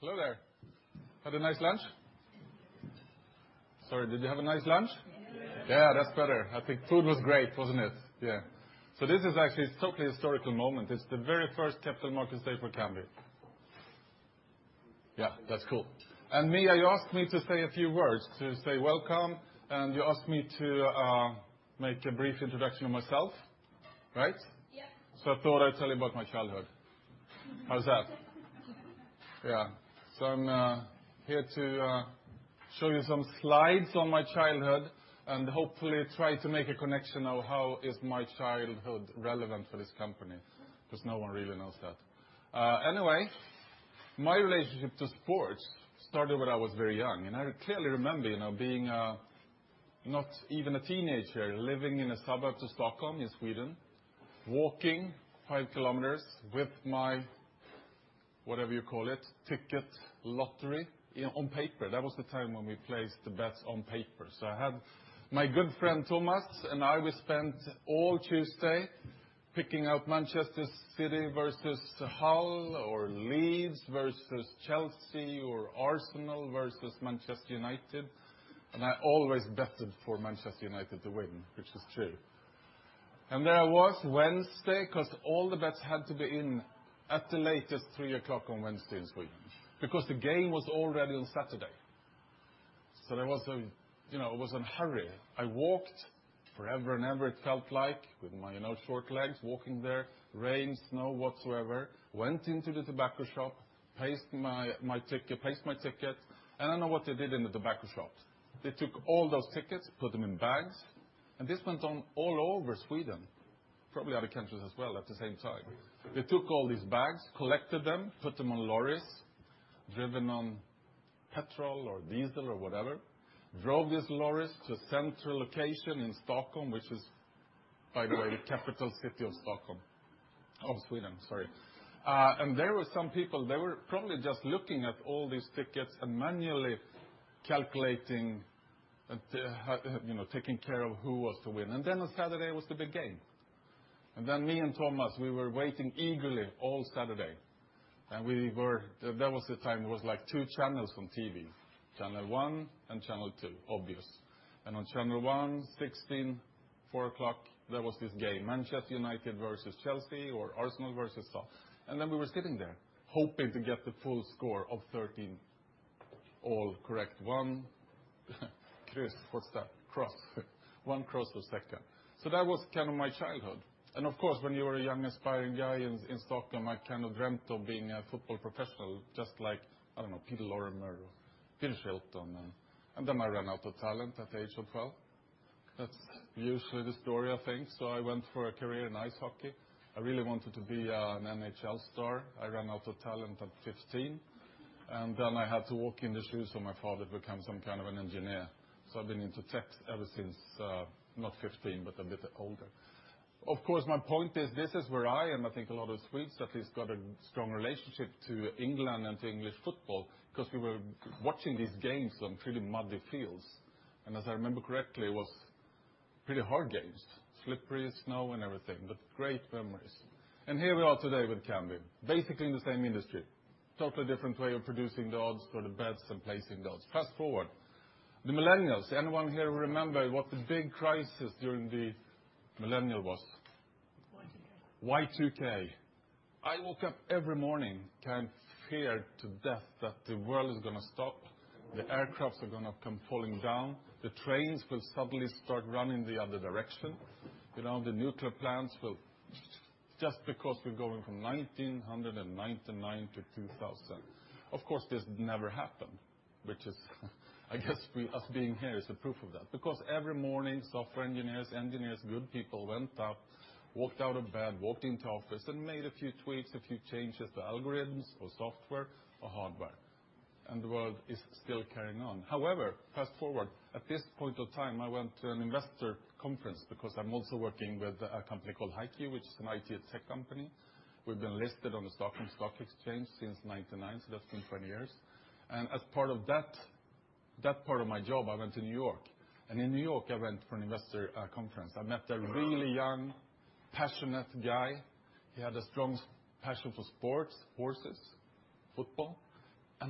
Hello there. Had a nice lunch? Sorry, did you have a nice lunch? Yes. That's better. I think food was great, wasn't it? This is actually a totally historical moment. It's the very first capital market day for Kambi. That's cool. Mia, you asked me to say a few words, to say welcome, and you asked me to make a brief introduction of myself, right? I thought I'd tell you about my childhood. How's that? I'm here to show you some slides on my childhood and hopefully try to make a connection of how is my childhood relevant for this company, because no one really knows that. Anyway, my relationship to sports started when I was very young, and I clearly remember being not even a teenager, living in a suburb to Stockholm in Sweden, walking 5 km with my, whatever you call it, ticket lottery on paper. That was the time when we placed the bets on paper. I had my good friend Thomas and I, we spent all Tuesday picking out Manchester City versus Hull or Leeds versus Chelsea or Arsenal versus Manchester United. I always betted for Manchester United to win, which is true. There I was Wednesday, because all the bets had to be in at the latest three o'clock on Wednesday in Sweden, because the game was already on Saturday. I was in a hurry. I walked forever and ever, it felt like, with my short legs, walking there, rain, snow, whatsoever, went into the tobacco shop, placed my ticket. I know what they did in the tobacco shop. They took all those tickets, put them in bags, and this went on all over Sweden, probably other countries as well, at the same time. They took all these bags, collected them, put them on lorries, driven on petrol or diesel or whatever, drove these lorries to a central location in Stockholm, which is, by the way, the capital city of Sweden, sorry. There were some people, they were probably just looking at all these tickets and manually calculating, taking care of who was to win. On Saturday was the big game. Me and Thomas, we were waiting eagerly all Saturday. That was the time it was two channels on TV, channel one and channel two, obvious. On channel one, 4:00 P.M., four o'clock, there was this game, Manchester United versus Chelsea or Arsenal versus so on. We were sitting there hoping to get the full score of 13 all correct. One, Chris, what's that? Cross. One cross per second. That was kind of my childhood. Of course, when you're a young aspiring guy in Stockholm, I kind of dreamt of being a football professional, just like, I don't know, Peter Lorimer or Peter Shilton, then I ran out of talent at the age of 12. That's usually the story, I think. I went for a career in ice hockey. I really wanted to be an NHL star. I ran out of talent at 15, I had to walk in the shoes of my father to become some kind of an engineer. I've been into tech ever since, not 15, but a bit older. Of course, my point is this is where I, and I think a lot of Swedes, at least got a strong relationship to England and to English football because we were watching these games on pretty muddy fields. As I remember correctly, it was pretty hard games, slippery, snow, and everything, but great memories. Here we are today with Kambi, basically in the same industry, totally different way of producing the odds for the bets and placing the odds. Fast-forward, the millennials. Anyone here remember what the big crisis during the millennium was? Y2K. Y2K. I woke up every morning kind of feared to death that the world is going to stop, the aircrafts are going to come falling down. The trains will suddenly start running the other direction. Just because we're going from 1999 to 2000. Of course, this never happened, which is, I guess us being here is the proof of that. Every morning, software engineers, good people went up, walked out of bed, walked into office, made a few tweaks, a few changes to algorithms or software or hardware. The world is still carrying on. However, fast-forward, at this point of time, I went to an investor conference because I'm also working with a company called HiQ, which is an IT tech company. We've been listed on the Stockholm Stock Exchange since 1999, so that's been 20 years. As part of that part of my job, I went to New York. In New York, I went for an investor conference. I met a really young, passionate guy. He had a strong passion for sports, horses, football.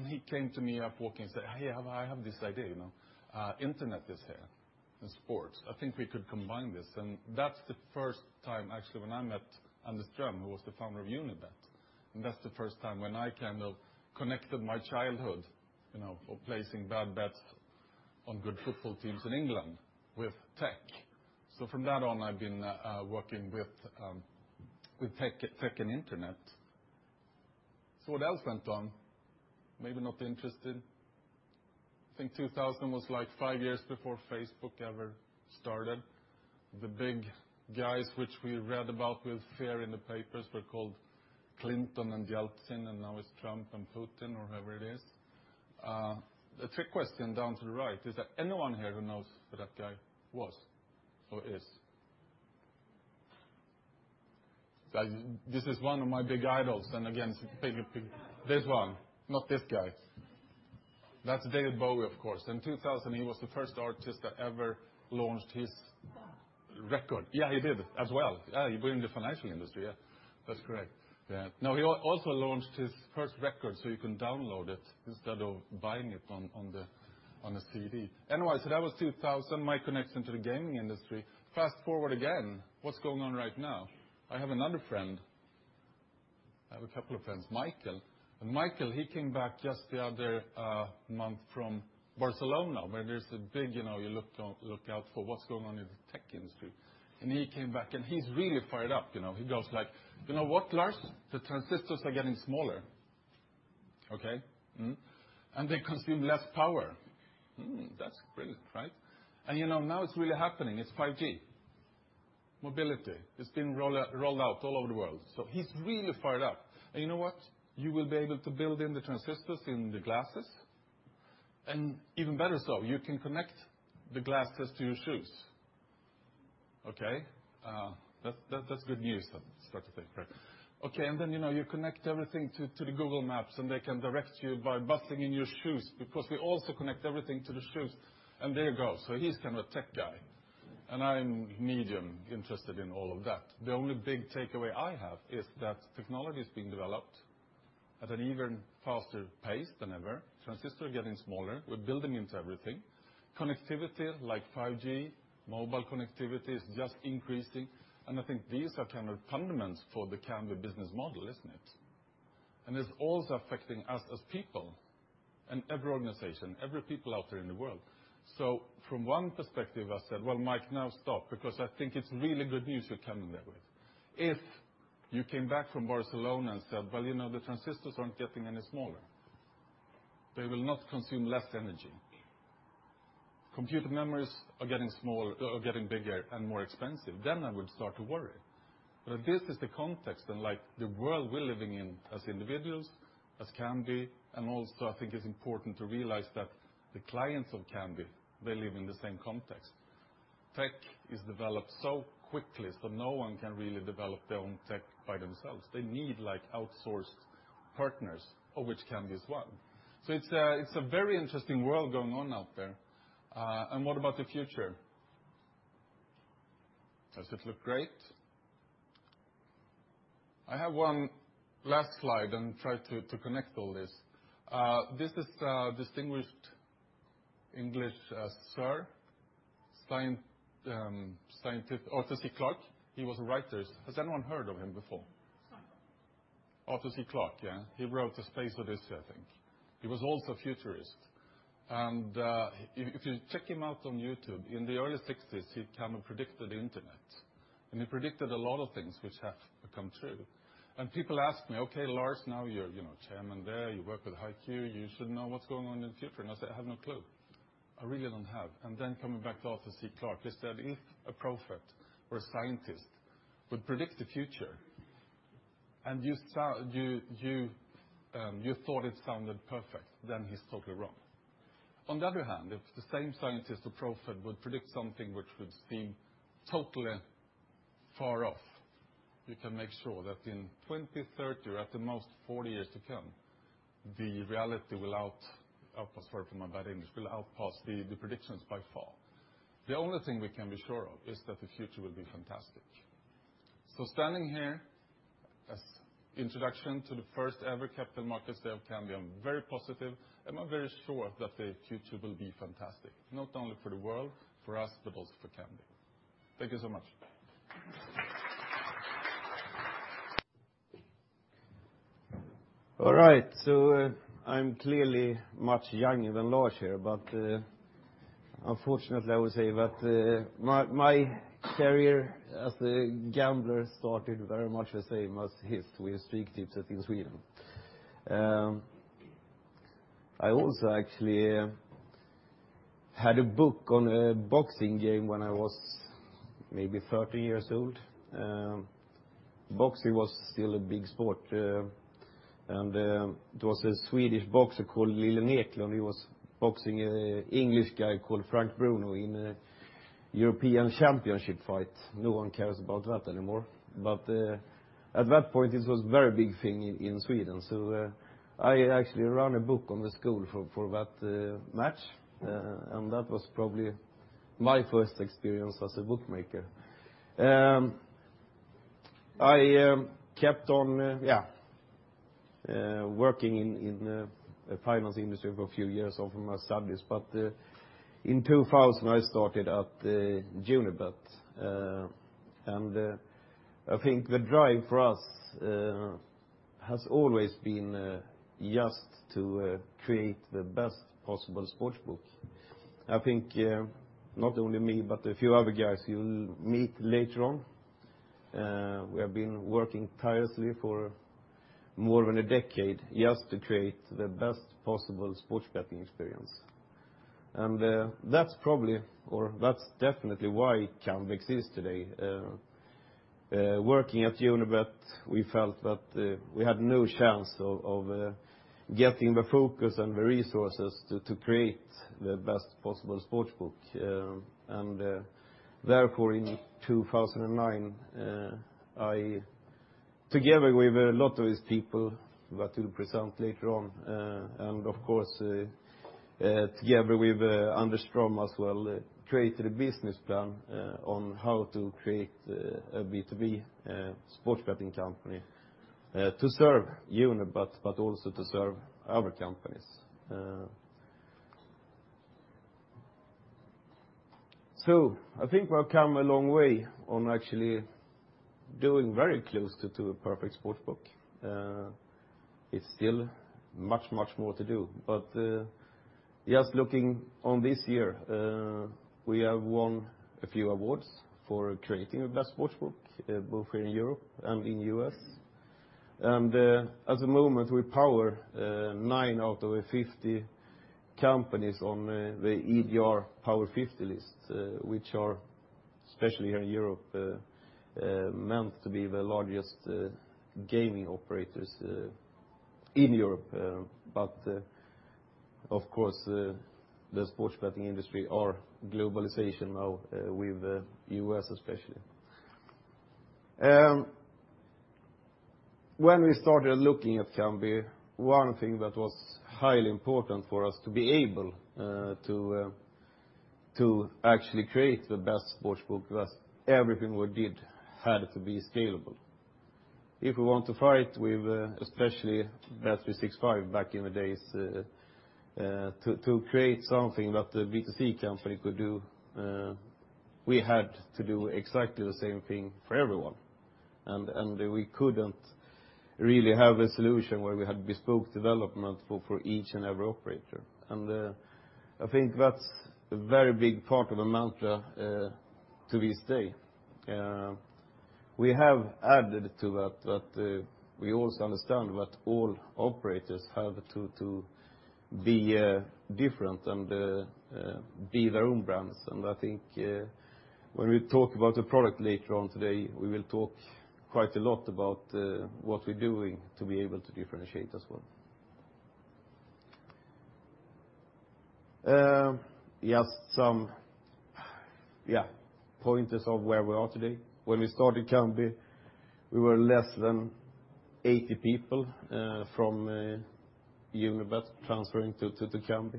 He came to me walking and said, "Hey, I have this idea. Internet is here in sports. I think we could combine this." That's the first time, actually, when I met Anders Ström, who was the founder of Unibet. That's the first time when I kind of connected my childhood of placing bad bets on good football teams in England with tech. From that on, I've been working with tech and internet. What else went on? Maybe not interested. I think 2000 was five years before Facebook ever started. The big guys which we read about with fear in the papers were called Clinton and Yeltsin. Now it's Trump and Putin or whoever it is. A trick question down to the right, is there anyone here who knows who that guy was or is? This is one of my big idols. This one, not this guy. That's David Bowie, of course. In 2000, he was the first artist that ever launched his record. Yeah, he did as well. You were in the financial industry. That's correct. Yeah. No, he also launched his first record, so you can download it instead of buying it on a CD. That was 2000, my connection to the gaming industry. Fast-forward again. What's going on right now? I have another friend. I have a couple of friends. Michael. Michael, he came back just the other month from Barcelona, where there's a big, you look out for what's going on in the tech industry. He came back and he's really fired up. He goes like, "You know what, Lars? The transistors are getting smaller." Okay. "They consume less power." That's great. Right? Now it's really happening. It's 5G. Mobility. It's being rolled out all over the world. He's really fired up. You know what? You will be able to build in the transistors in the glasses. Even better so, you can connect the glasses to your shoes. Okay. That's good news, that sort of thing, right. You connect everything to the Google Maps, they can direct you by buzzing in your shoes because they also connect everything to the shoes. There you go. He's kind of a tech guy. I'm medium interested in all of that. The only big takeaway I have is that technology is being developed at an even faster pace than ever. Transistors are getting smaller. We're building into everything. Connectivity like 5G, mobile connectivity, is just increasing. I think these are kind of fundamentals for the Kambi business model, isn't it? It's also affecting us as people and every organization, every people out there in the world. From one perspective, I said, "Well, Mike, now stop, because I think it's really good news you're coming there with." If you came back from Barcelona and said, "Well, the transistors aren't getting any smaller. They will not consume less energy. Computer memories are getting bigger and more expensive," then I would start to worry. This is the context and the world we're living in as individuals, as Kambi, also I think it's important to realize that the clients of Kambi, they live in the same context. Tech is developed so quickly, so no one can really develop their own tech by themselves. They need outsourced partners, of which Kambi is one. It's a very interesting world going on out there. What about the future? Does it look great? I have one last slide and try to connect all this. This is a distinguished English sir, Arthur C. Clarke. He was a writer. Has anyone heard of him before? Sure. Arthur C. Clarke, yeah. He wrote "The Space Odyssey," I think. He was also a futurist. If you check him out on YouTube, in the early 1960s he kind of predicted the internet. He predicted a lot of things which have come true. People ask me, "Okay, Lars, now you're chairman there, you work with HiQ, you should know what's going on in the future." I say, "I have no clue." I really don't have. Coming back to Arthur C. Clarke, he said if a prophet or a scientist would predict the future and you thought it sounded perfect, then he's totally wrong. On the other hand, if the same scientist or prophet would predict something which would seem totally far off, you can make sure that in 20, 30, or at the most 40 years to come, the reality will out, sorry for my bad English, will outpace the predictions by far. The only thing we can be sure of is that the future will be fantastic. Standing here as introduction to the first ever capital market sale of Kambi, I'm very positive and I'm very sure that the future will be fantastic, not only for the world, for us, but also for Kambi. Thank you so much. All right. I'm clearly much younger than Lars here, but unfortunately I would say that my career as a gambler started very much the same as his with Stryktipset in Sweden. I also actually had a book on a boxing game when I was maybe 30 years old. Boxing was still a big sport. There was a Swedish boxer called Lillen Eklund, who was boxing an English guy called Frank Bruno in a European championship fight. No one cares about that anymore. At that point, it was a very big thing in Sweden. I actually ran a book on the school for that match, and that was probably my first experience as a bookmaker. I kept on working in the finance industry for a few years over my studies, but in 2000, I started at Unibet. I think the drive for us has always been just to create the best possible sportsbook. I think not only me, but a few other guys you'll meet later on, we have been working tirelessly for more than a decade just to create the best possible sports betting experience. That's definitely why Kambi exists today. Working at Unibet, we felt that we had no chance of getting the focus and the resources to create the best possible sportsbook. Therefore, in 2009, together with a lot of these people that will present later on, and of course, together with Anders Ström as well, created a business plan on how to create a B2B sports betting company to serve Unibet, but also to serve other companies. I think we've come a long way on actually doing very close to a perfect sportsbook. It's still much more to do, but just looking on this year, we have won a few awards for creating the best sports book, both in Europe and in U.S. At the moment, we power nine out of the 50 companies on the EGR Power 50 list, which are, especially here in Europe, meant to be the largest gaming operators in Europe. Of course, the sports betting industry are globalization now with U.S. especially. When we started looking at Kambi, one thing that was highly important for us to be able to actually create the best sports book was everything we did had to be scalable. If we want to fight with, especially bet365 back in the days, to create something that a B2C company could do, we had to do exactly the same thing for everyone. We couldn't really have a solution where we had bespoke development for each and every operator. I think that's a very big part of our mantra to this day. We have added to that we also understand that all operators have to be different and be their own brands. I think when we talk about the product later on today, we will talk quite a lot about what we're doing to be able to differentiate as well. Just some pointers of where we are today. When we started Kambi, we were less than 80 people from Unibet transferring to Kambi.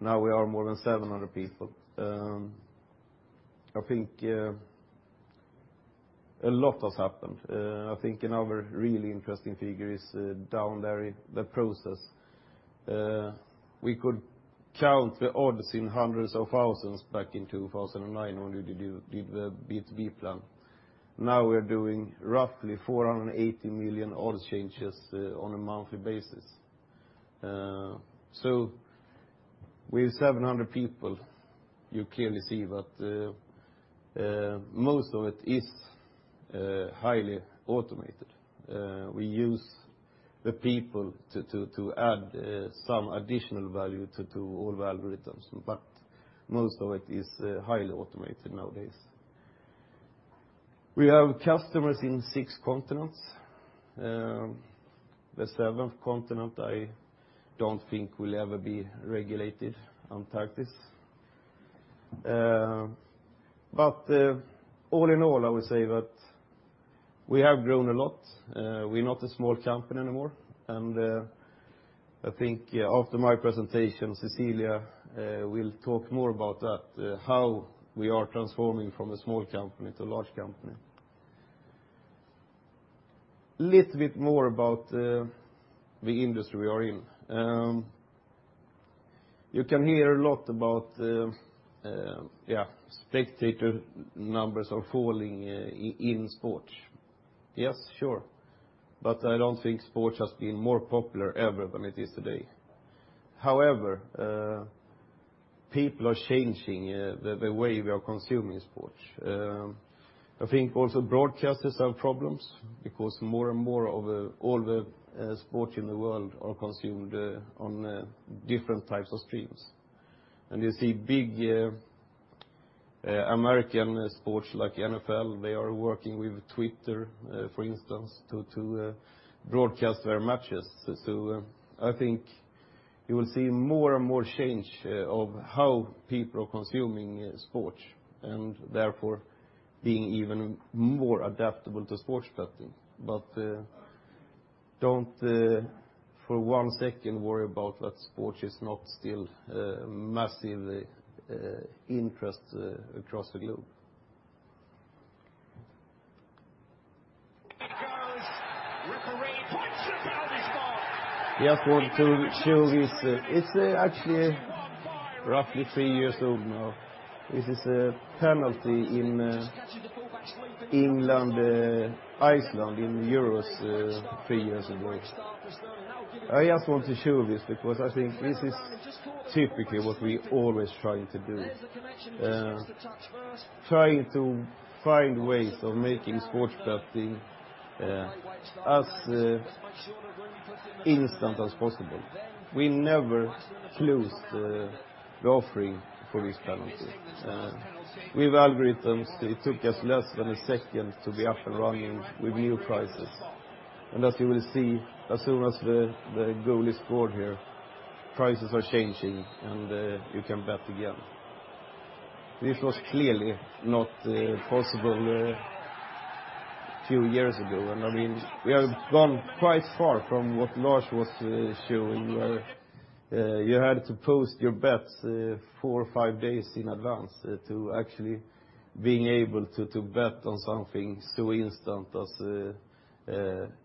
Now we are more than 700 people. I think a lot has happened. I think another really interesting figure is down there in the process. We could count the odds in hundreds of thousands back in 2009 when we did the B2B plan. Now we're doing roughly 480 million odds changes on a monthly basis. With 700 people, you clearly see that most of it is highly automated. We use the people to add some additional value to all the algorithms, but most of it is highly automated nowadays. We have customers in six continents. The seventh continent, I don't think will ever be regulated, Antarctic. All in all, I would say that we have grown a lot. We're not a small company anymore. I think after my presentation, Cecilia will talk more about that, how we are transforming from a small company to a large company. Little bit more about the industry we are in. You can hear a lot about spectator numbers are falling in sports. Yes, sure. I don't think sports has been more popular ever than it is today. However, people are changing the way we are consuming sports. I think also broadcasters have problems because more and more of all the sports in the world are consumed on different types of streams. You see big American sports like NFL, they are working with Twitter, for instance, to broadcast their matches. I think you will see more and more change of how people are consuming sports and therefore being even more adaptable to sports betting. Don't for one second worry about that sport is not still massively interest across the globe. It goes, referee points to a penalty spot. Just want to show this. It's actually roughly three years old now. This is a penalty in England, Iceland in Euros, three years ago. I just want to show this because I think this is typically what we're always trying to do. There's the connection. Just keeps the touch first. Trying to find ways of making sports betting as instant as possible. We never closed the offering for this penalty. With algorithms, it took us less than a second to be up and running with new prices. As you will see, as soon as the goal is scored here, prices are changing, and you can bet again. This was clearly not possible a few years ago. We have gone quite far from what Lars was showing where you had to post your bets four or five days in advance to actually being able to bet on something as instant as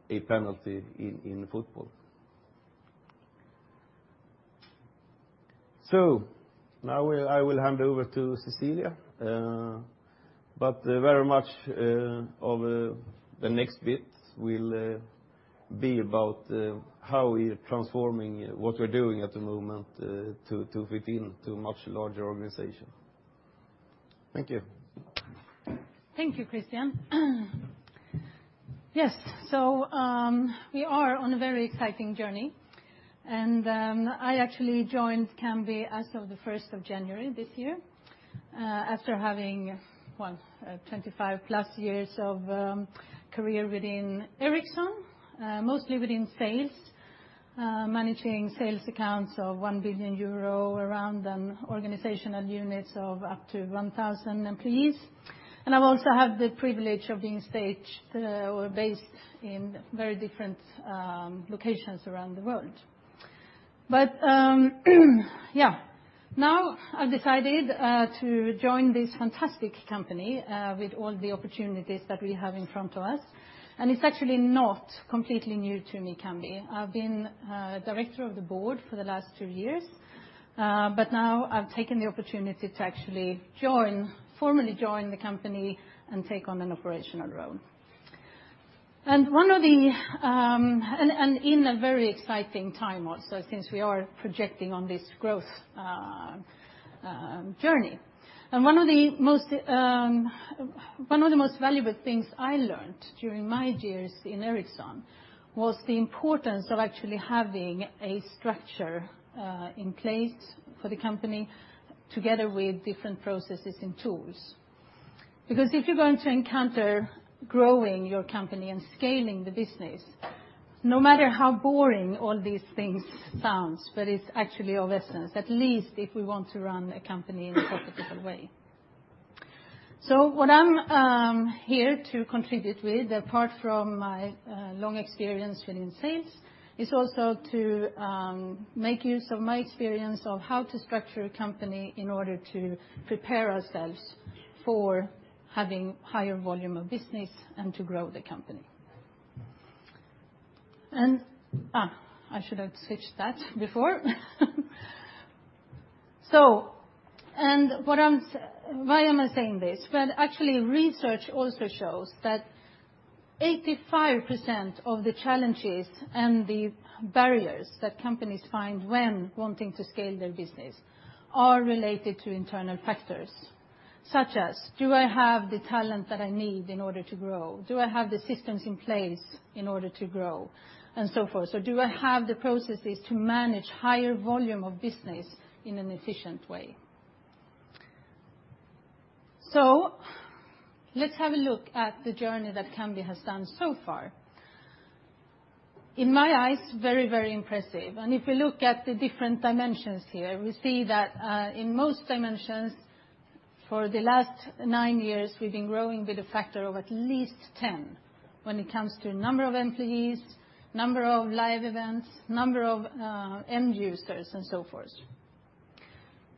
a penalty in football. Now I will hand over to Cecilia. Very much of the next bit will be about how we're transforming what we're doing at the moment to fit in to a much larger organization. Thank you. Thank you, Kristian. Yes. We are on a very exciting journey. I actually joined Kambi as of the 1st of January this year after having, well, 25+ years of career within Ericsson. Mostly within sales, managing sales accounts of 1 billion euro, around organizational units of up to 1,000 employees. I've also had the privilege of being staged or based in very different locations around the world. Now I've decided to join this fantastic company with all the opportunities that we have in front of us, and it's actually not completely new to me, Kambi. I've been director of the board for the last two years. Now I've taken the opportunity to actually formally join the company and take on an operational role. In a very exciting time also, since we are projecting on this growth journey. One of the most valuable things I learned during my years in Ericsson was the importance of actually having a structure in place for the company, together with different processes and tools. Because if you're going to encounter growing your company and scaling the business, no matter how boring all these things sound, but it's actually of essence, at least if we want to run a company in a profitable way. What I'm here to contribute with, apart from my long experience within sales, is also to make use of my experience of how to structure a company in order to prepare ourselves for having higher volume of business and to grow the company. I should have switched that before. Why am I saying this? Well, actually, research also shows that 85% of the challenges and the barriers that companies find when wanting to scale their business are related to internal factors. Such as, do I have the talent that I need in order to grow? Do I have the systems in place in order to grow? And so forth. Do I have the processes to manage higher volume of business in an efficient way? Let's have a look at the journey that Kambi has done so far. In my eyes, very impressive. If we look at the different dimensions here, we see that in most dimensions, for the last nine years, we've been growing with a factor of at least 10 when it comes to number of employees, number of live events, number of end users, and so forth.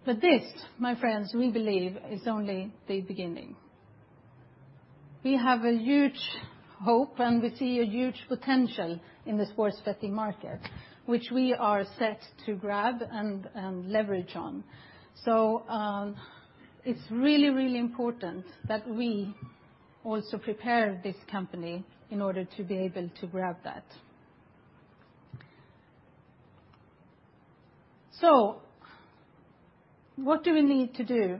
This, my friends, we believe is only the beginning. We have a huge hope, we see a huge potential in the sports betting market, which we are set to grab and leverage on. It's really important that we also prepare this company in order to be able to grab that. What do we need to do?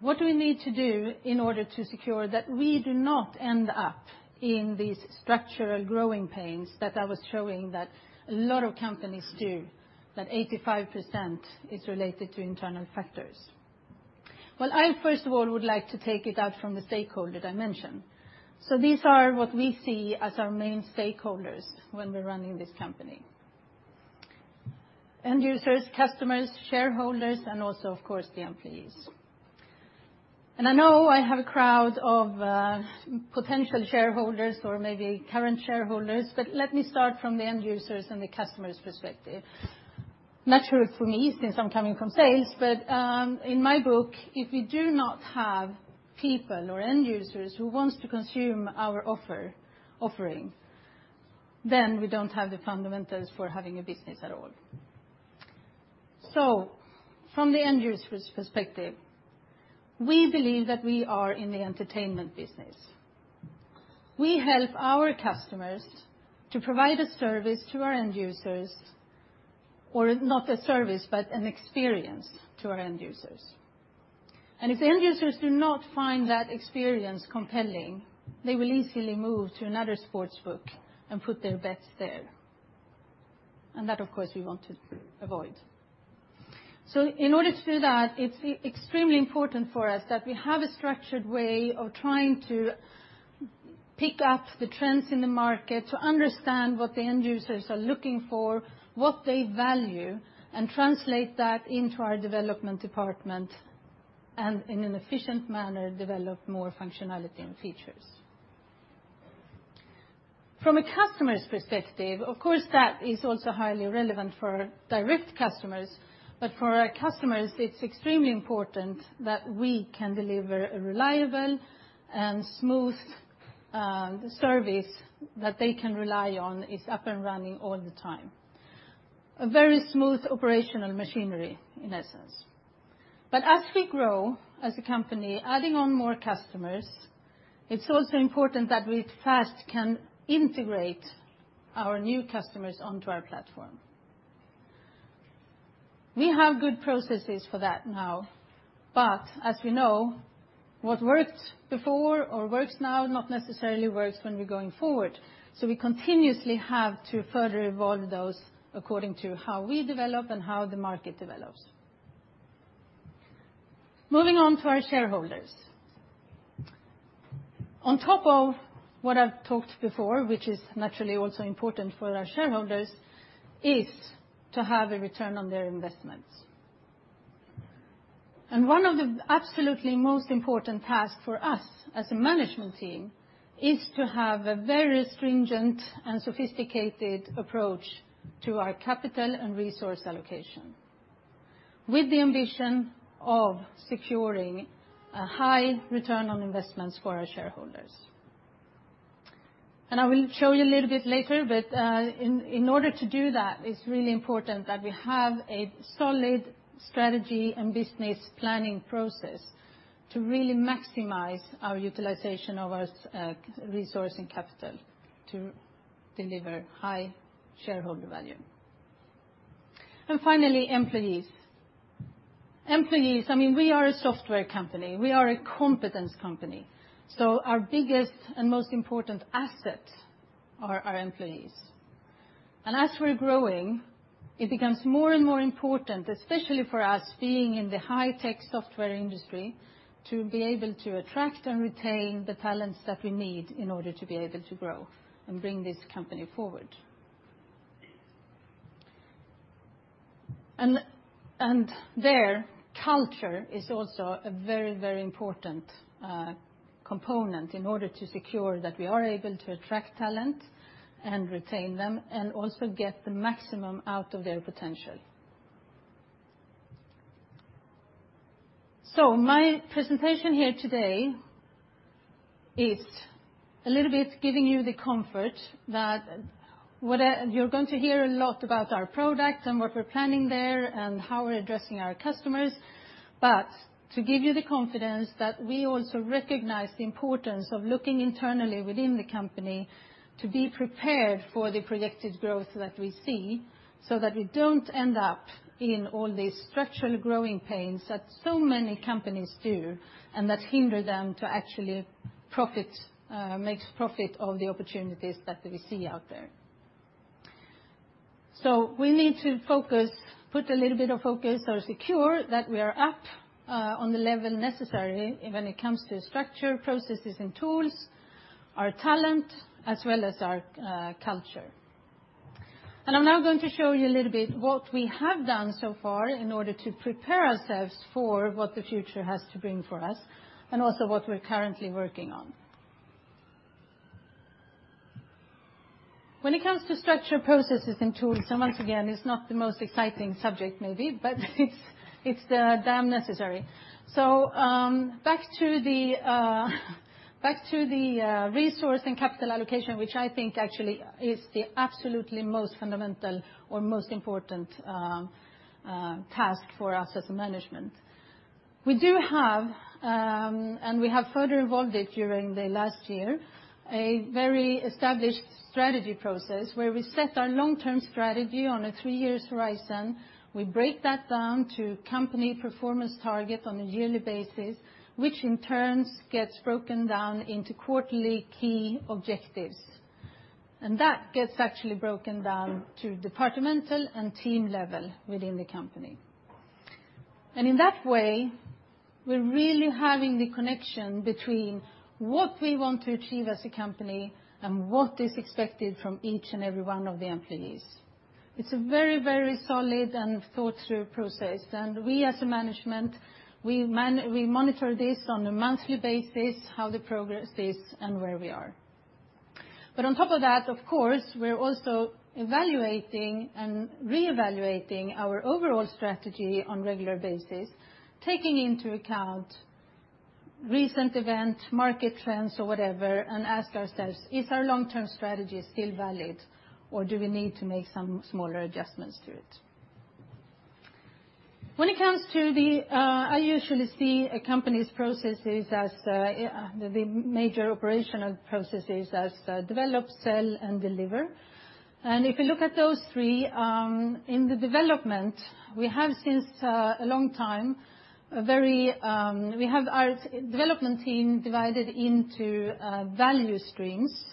What do we need to do in order to secure that we do not end up in these structural growing pains that I was showing that a lot of companies do, that 85% is related to internal factors? Well, I first of all, would like to take it out from the stakeholder dimension. These are what we see as our main stakeholders when we're running this company. End users, customers, shareholders, and also, of course, the employees. I know I have a crowd of potential shareholders or maybe current shareholders, let me start from the end users and the customers' perspective. Natural for me, since I'm coming from sales, in my book, if we do not have people or end users who want to consume our offering, then we don't have the fundamentals for having a business at all. From the end user's perspective, we believe that we are in the entertainment business. We help our customers to provide a service to our end users, or not a service, but an experience to our end users. If the end users do not find that experience compelling, they will easily move to another sportsbook and put their bets there. That, of course, we want to avoid. In order to do that, it's extremely important for us that we have a structured way of trying to pick up the trends in the market to understand what the end users are looking for, what they value, and translate that into our development department, and in an efficient manner, develop more functionality and features. From a customer's perspective, of course, that is also highly relevant for direct customers. For our customers, it's extremely important that we can deliver a reliable and smooth service that they can rely on is up and running all the time. A very smooth operational machinery, in essence. As we grow as a company, adding on more customers, it's also important that we fast can integrate our new customers onto our platform. We have good processes for that now, as we know, what worked before or works now, not necessarily works when we're going forward. We continuously have to further evolve those according to how we develop and how the market develops. Moving on to our shareholders. On top of what I've talked before, which is naturally also important for our shareholders, is to have a return on their investments. One of the absolutely most important tasks for us as a management team is to have a very stringent and sophisticated approach to our capital and resource allocation with the ambition of securing a high return on investments for our shareholders. I will show you a little bit later, In order to do that, it's really important that we have a solid strategy and business planning process to really maximize our utilization of our resource and capital to deliver high shareholder value. Finally, employees. Employees, we are a software company. We are a competence company, so our biggest and most important asset are our employees. As we're growing, it becomes more and more important, especially for us being in the high-tech software industry, to be able to attract and retain the talents that we need in order to be able to grow and bring this company forward. There, culture is also a very important component in order to secure that we are able to attract talent and retain them, and also get the maximum out of their potential. My presentation here today is a little bit giving you the comfort that you're going to hear a lot about our product and what we're planning there, and how we're addressing our customers. To give you the confidence that we also recognize the importance of looking internally within the company to be prepared for the predicted growth that we see, so that we don't end up in all these structural growing pains that so many companies do, and that hinder them to actually make profit off the opportunities that we see out there. We need to put a little bit of focus or secure that we are up on the level necessary when it comes to structure, processes, and tools, our talent, as well as our culture. I'm now going to show you a little bit what we have done so far in order to prepare ourselves for what the future has to bring for us, and also what we're currently working on. When it comes to structure, processes, and tools, and once again, it's not the most exciting subject maybe, but it's damn necessary. Back to the resource and capital allocation, which I think actually is the absolutely most fundamental or most important task for us as management. We do have, and we have further evolved it during the last year, a very established strategy process where we set our long-term strategy on a three years horizon. We break that down to company performance target on a yearly basis, which in turn gets broken down into quarterly key objectives. That gets actually broken down to departmental and team level within the company. In that way, we're really having the connection between what we want to achieve as a company and what is expected from each and every one of the employees. It's a very solid and thought-through process, and we, as a management, we monitor this on a monthly basis, how the progress is and where we are. On top of that, of course, we're also evaluating and reevaluating our overall strategy on regular basis, taking into account recent event, market trends, or whatever, and ask ourselves, "Is our long-term strategy still valid or do we need to make some smaller adjustments to it?" I usually see a company's major operational processes as develop, sell, and deliver. If you look at those three, in the development, we have our development team divided into value streams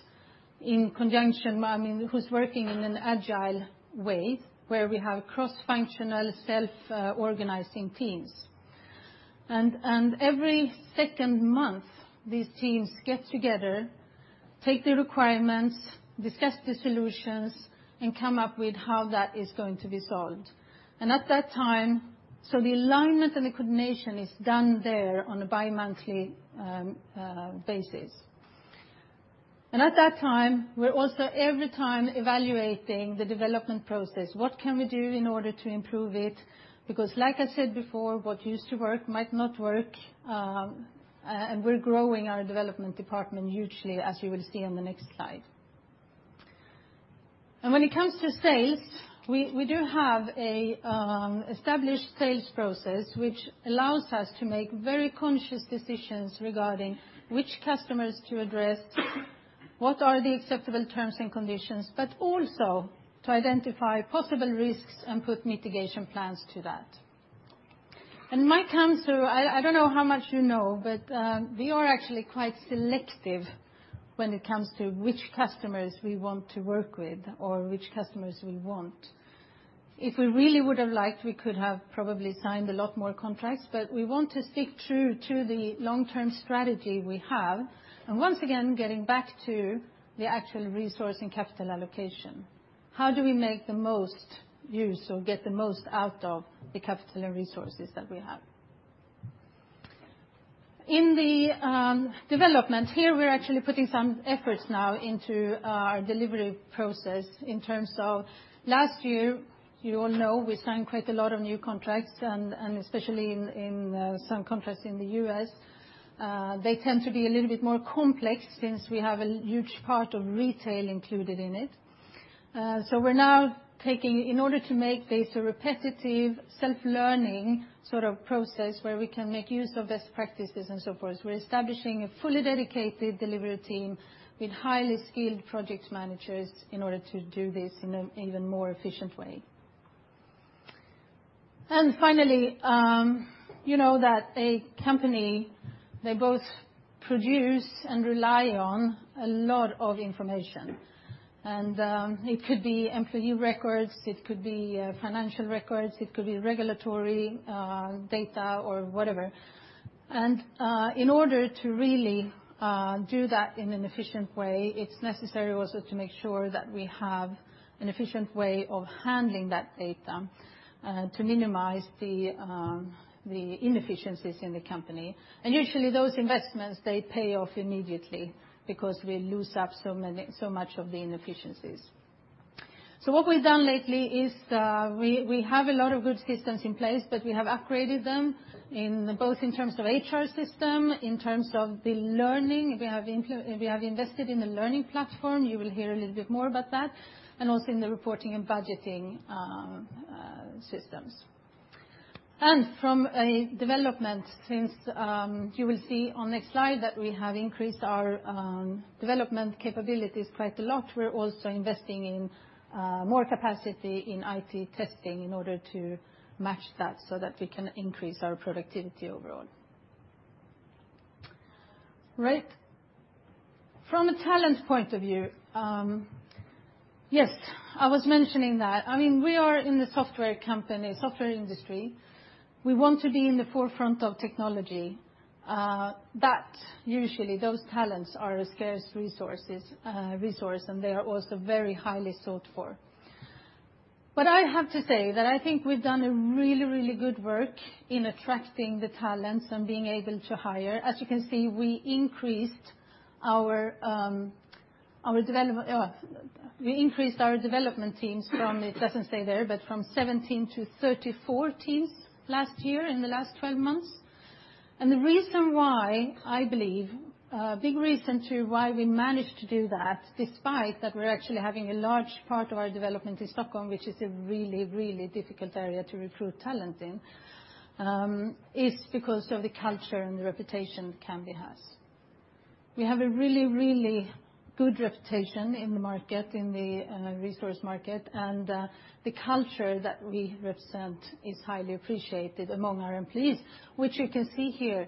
in conjunction, who's working in an agile way where we have cross-functional self-organizing teams. Every second month, these teams get together, take the requirements, discuss the solutions, and come up with how that is going to be solved. The alignment and the coordination is done there on a bi-monthly basis. At that time, we're also every time evaluating the development process. What can we do in order to improve it? Because like I said before, what used to work might not work, and we're growing our development department hugely, as you will see on the next slide. When it comes to sales, we do have an established sales process, which allows us to make very conscious decisions regarding which customers to address, what are the acceptable terms and conditions, but also to identify possible risks and put mitigation plans to that. I don't know how much you know, we are actually quite selective when it comes to which customers we want to work with or which customers we want. If we really would have liked, we could have probably signed a lot more contracts, we want to stick true to the long-term strategy we have, and once again, getting back to the actual resourcing capital allocation. How do we make the most use or get the most out of the capital and resources that we have? In the development, here we're actually putting some efforts now into our delivery process in terms of last year, you all know we signed quite a lot of new contracts, especially some contracts in the U.S. They tend to be a little bit more complex since we have a huge part of retail included in it. In order to make this a repetitive self-learning sort of process where we can make use of best practices and so forth, we're establishing a fully dedicated delivery team with highly skilled project managers in order to do this in an even more efficient way. Finally, you know that a company, they both produce and rely on a lot of information. It could be employee records, it could be financial records, it could be regulatory data or whatever. In order to really do that in an efficient way, it's necessary also to make sure that we have an efficient way of handling that data to minimize the inefficiencies in the company. Usually, those investments, they pay off immediately because we lose so much of the inefficiencies. What we've done lately is we have a lot of good systems in place, we have upgraded them both in terms of HR system, in terms of the learning. We have invested in the learning platform, you will hear a little bit more about that, also in the reporting and budgeting systems. From a development since, you will see on the next slide that we have increased our development capabilities quite a lot. We're also investing in more capacity in IT testing in order to match that so that we can increase our productivity overall. Right. From a talent point of view, yes, I was mentioning that. We are in the software industry. We want to be in the forefront of technology. Usually, those talents are a scarce resource, they are also very highly sought for. I have to say that I think we've done a really, really good work in attracting the talents and being able to hire. As you can see, we increased our development teams from, it doesn't say there, but from 17 to 34 teams last year in the last 12 months. The reason why, I believe, a big reason to why we managed to do that, despite that we're actually having a large part of our development in Stockholm, which is a really, really difficult area to recruit talent in, is because of the culture and the reputation Kambi has. We have a really, really good reputation in the resource market, and the culture that we represent is highly appreciated among our employees, which you can see here.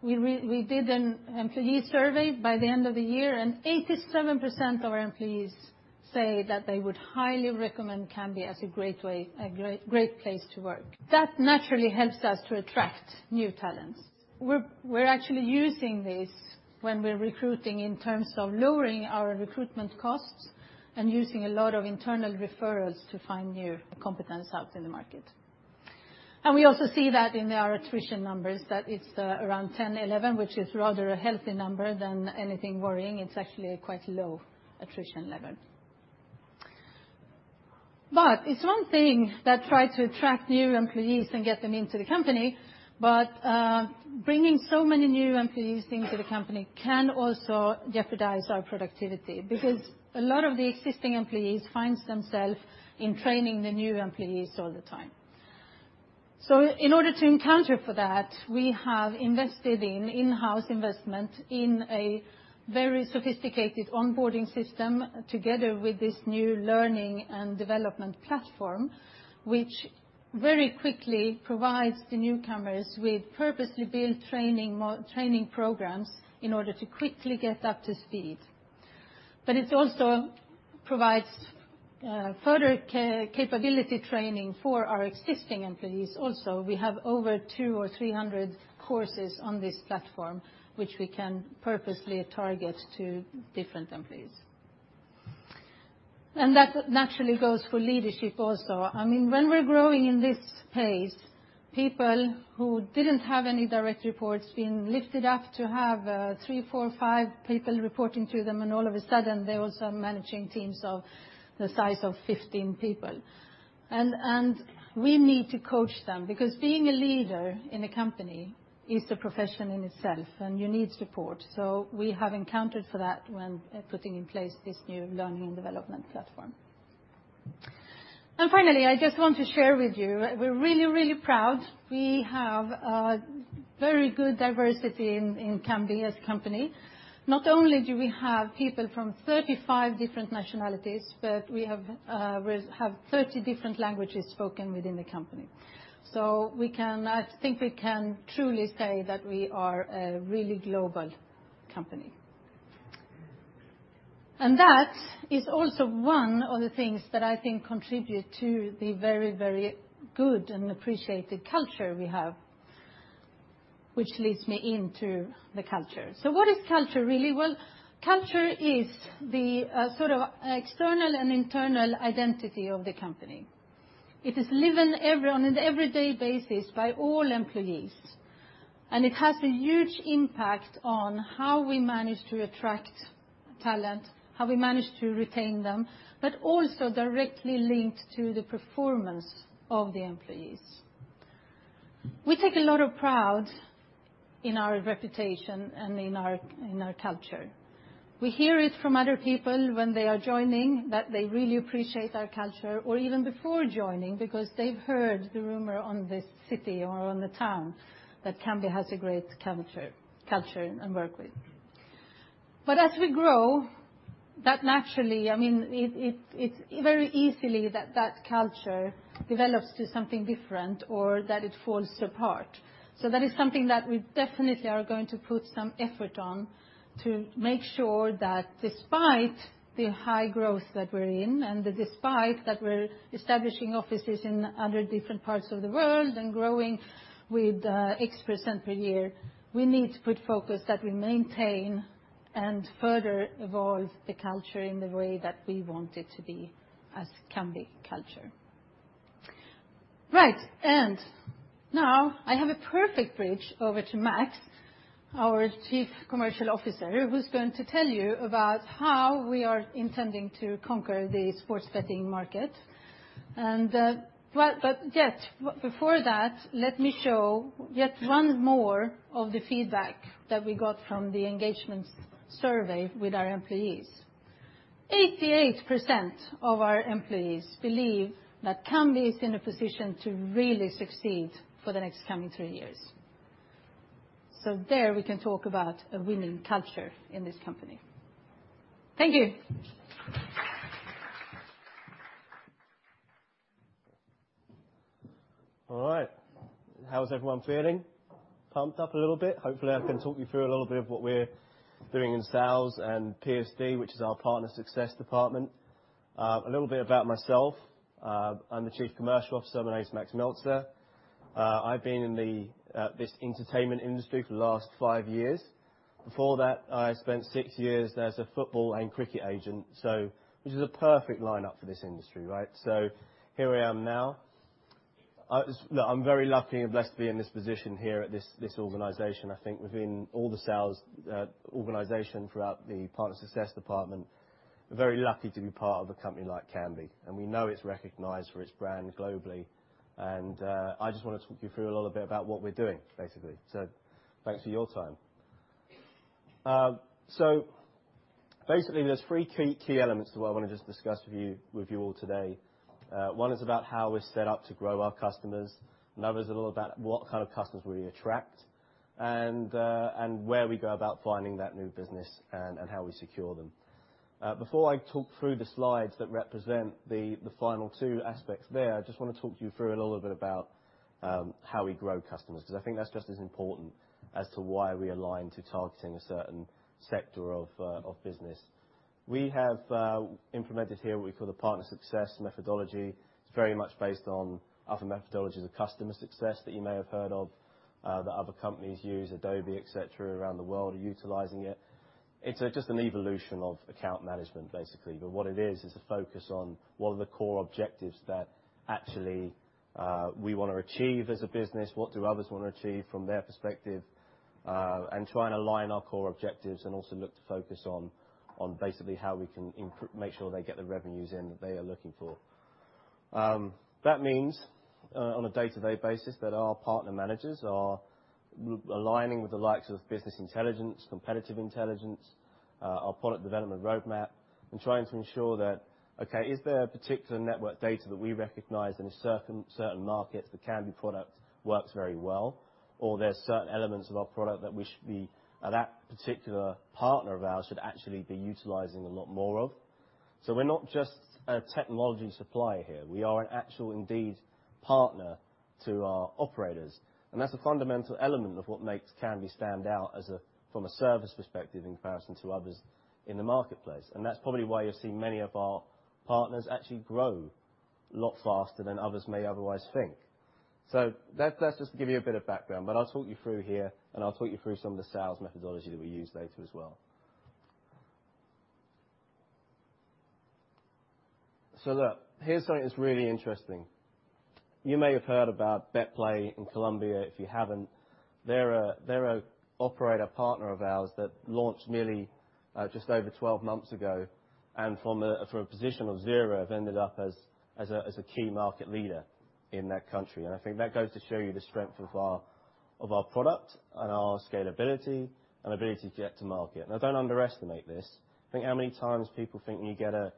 We did an employee survey by the end of the year, 87% of our employees say that they would highly recommend Kambi as a great place to work. That naturally helps us to attract new talents. We're actually using this when we're recruiting in terms of lowering our recruitment costs and using a lot of internal referrals to find new competence out in the market. We also see that in our attrition numbers, that it's around 10, 11, which is rather a healthy number than anything worrying. It's actually a quite low attrition level. It's one thing that try to attract new employees and get them into the company, but bringing so many new employees into the company can also jeopardize our productivity because a lot of the existing employees finds themselves in training the new employees all the time. In order to account for that, we have invested in in-house investment in a very sophisticated onboarding system together with this new learning and development platform, which very quickly provides the newcomers with purposely built training programs in order to quickly get up to speed. But it also provides further capability training for our existing employees also. We have over 200 or 300 courses on this platform, which we can purposely target to different employees. That naturally goes for leadership also. When we're growing in this pace, people who didn't have any direct reports being lifted up to have three, four, five people reporting to them, and all of a sudden they're also managing teams of the size of 15 people. We need to coach them, because being a leader in a company is a profession in itself, and you need support. We have accounted for that when putting in place this new learning and development platform. Finally, I just want to share with you, we're really, really proud, we have a very good diversity in Kambi as a company. Not only do we have people from 35 different nationalities, but we have 30 different languages spoken within the company. I think we can truly say that we are a really global company. That is also one of the things that I think contributes to the very, very good and appreciated culture we have, which leads me into the culture. What is culture really? Well, culture is the sort of external and internal identity of the company. It is lived on an everyday basis by all employees. It has a huge impact on how we manage to attract talent, how we manage to retain them, but also directly linked to the performance of the employees. We take a lot of pride in our reputation and in our culture. We hear it from other people when they are joining, that they really appreciate our culture or even before joining because they've heard the rumor on this city or on the town that Kambi has a great culture and work with. As we grow, that naturally, it's very easily that that culture develops to something different or that it falls apart. That is something that we definitely are going to put some effort on to make sure that despite the high growth that we're in and despite that we're establishing offices in other different parts of the world and growing with X% per year, we need to put focus that we maintain and further evolve the culture in the way that we want it to be as Kambi culture. Right. Now I have a perfect bridge over to Max, our Chief Commercial Officer, who's going to tell you about how we are intending to conquer the sports betting market. Yet before that, let me show yet one more of the feedback that we got from the engagement survey with our employees. 88% of our employees believe that Kambi is in a position to really succeed for the next coming 3 years. There we can talk about a winning culture in this company. Thank you. All right. How is everyone feeling? Pumped up a little bit? Hopefully, I can talk you through a little bit of what we're doing in sales and PSD, which is our partner success department. A little bit about myself. I'm the Chief Commercial Officer. My name is Max Meltzer. I've been in this entertainment industry for the last five years. Before that, I spent six years as a football and cricket agent. This is a perfect lineup for this industry, right? Here I am now. Look, I'm very lucky and blessed to be in this position here at this organization. I think within all the sales organization throughout the partner success department, we're very lucky to be part of a company like Kambi, and we know it's recognized for its brand globally. I just want to talk you through a little bit about what we're doing, basically. Thanks for your time. Basically, there are 3 key elements that I want to just discuss with you all today. One is about how we are set up to grow our customers, another is a little about what kind of customers we attract, and where we go about finding that new business and how we secure them. Before I talk through the slides that represent the final 2 aspects there, I just want to talk to you through a little bit about how we grow customers, because I think that is just as important as to why we align to targeting a certain sector of business. We have implemented here what we call the partner success methodology. It is very much based on other methodologies of customer success that you may have heard of, that other companies use, Adobe, et cetera, around the world are utilizing it. It is just an evolution of account management, basically. What it is a focus on what are the core objectives that actually we want to achieve as a business, what do others want to achieve from their perspective, and try and align our core objectives and also look to focus on basically how we can make sure they get the revenues in that they are looking for. That means on a day-to-day basis that our partner managers are aligning with the likes of business intelligence, competitive intelligence, our product development roadmap, and trying to ensure that, okay, is there particular network data that we recognize in certain markets that Kambi product works very well? Or there are certain elements of our product that particular partner of ours should actually be utilizing a lot more of. We are not just a technology supplier here. We are an actual indeed partner to our operators, and that is a fundamental element of what makes Kambi stand out from a service perspective in comparison to others in the marketplace. That is probably why you are seeing many of our partners actually grow a lot faster than others may otherwise think. That is just to give you a bit of background, but I will talk you through here and I will talk you through some of the sales methodology that we use later as well. Look, here is something that is really interesting. You may have heard about BetPlay in Colombia. If you have not, they are an operator partner of ours that launched merely just over 12 months ago, and from a position of zero, have ended up as a key market leader in that country. I think that goes to show you the strength of our product and our scalability and ability to get to market. Now, do not underestimate this. Think how many times people think when you get a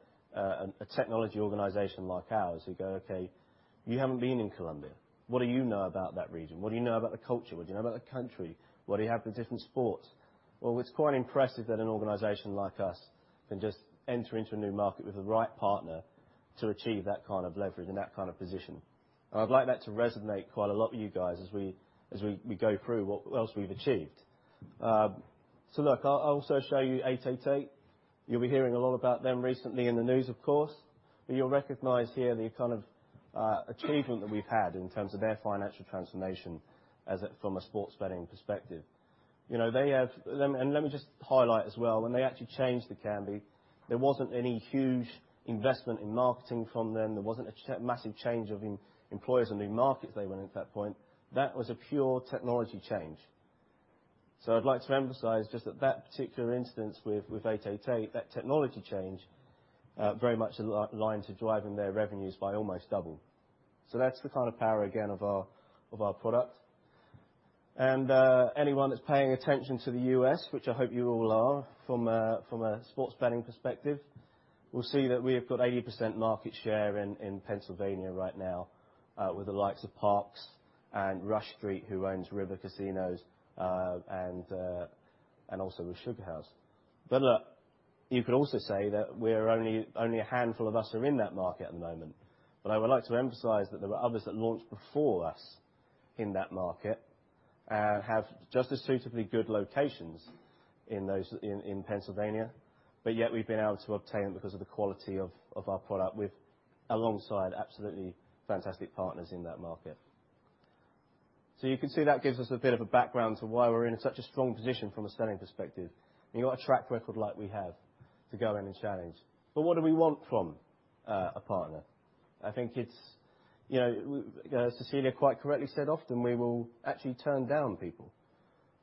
technology organization like ours who go, "Okay, you have not been in Colombia. What do you know about that region? What do you know about the culture? What do you know about the country? What do you have for different sports?" It is quite impressive that an organization like us can just enter into a new market with the right partner to achieve that kind of leverage and that kind of position. I would like that to resonate quite a lot with you guys as we go through what else we have achieved. Look, I will also show you 888. You'll be hearing a lot about them recently in the news, of course, but you'll recognize here the kind of achievement that we've had in terms of their financial transformation from a sports betting perspective. Let me just highlight as well, when they actually changed to Kambi, there wasn't any huge investment in marketing from them. There wasn't a massive change of employers and new markets they were in at that point. That was a pure technology change. I'd like to emphasize just at that particular instance with 888, that technology change very much aligned to driving their revenues by almost double. That's the kind of power, again, of our product. Anyone that's paying attention to the U.S., which I hope you all are from a sports betting perspective, will see that we have got 80% market share in Pennsylvania right now with the likes of Parx and Rush Street, who owns Rivers Casino, and also with SugarHouse. Look, you could also say that only a handful of us are in that market at the moment. I would like to emphasize that there are others that launched before us in that market and have just as suitably good locations in Pennsylvania, yet we've been able to obtain because of the quality of our product alongside absolutely fantastic partners in that market. You can see that gives us a bit of a background to why we're in such a strong position from a selling perspective, and you want a track record like we have to go in and challenge. What do we want from a partner? I think it's, as Cecilia quite correctly said, often we will actually turn down people.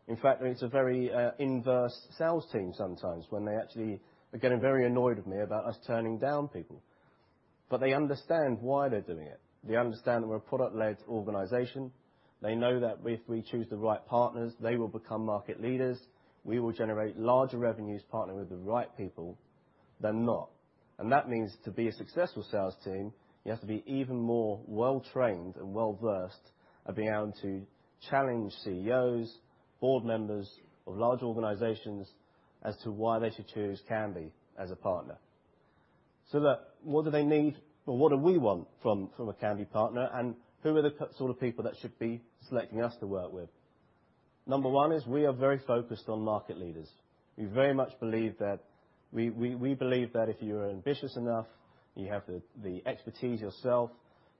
In fact, it's a very inverse sales team sometimes when they actually are getting very annoyed with me about us turning down people. They understand why they're doing it. They understand that we're a product-led organization. They know that if we choose the right partners, they will become market leaders. We will generate larger revenues partnering with the right people than not. That means to be a successful sales team, you have to be even more well-trained and well-versed at being able to challenge CEOs, board members of large organizations as to why they should choose Kambi as a partner. Look, what do they need, what do we want from a Kambi partner, and who are the sort of people that should be selecting us to work with? Number 1 is we are very focused on market leaders. We believe that if you are ambitious enough, you have the expertise yourself,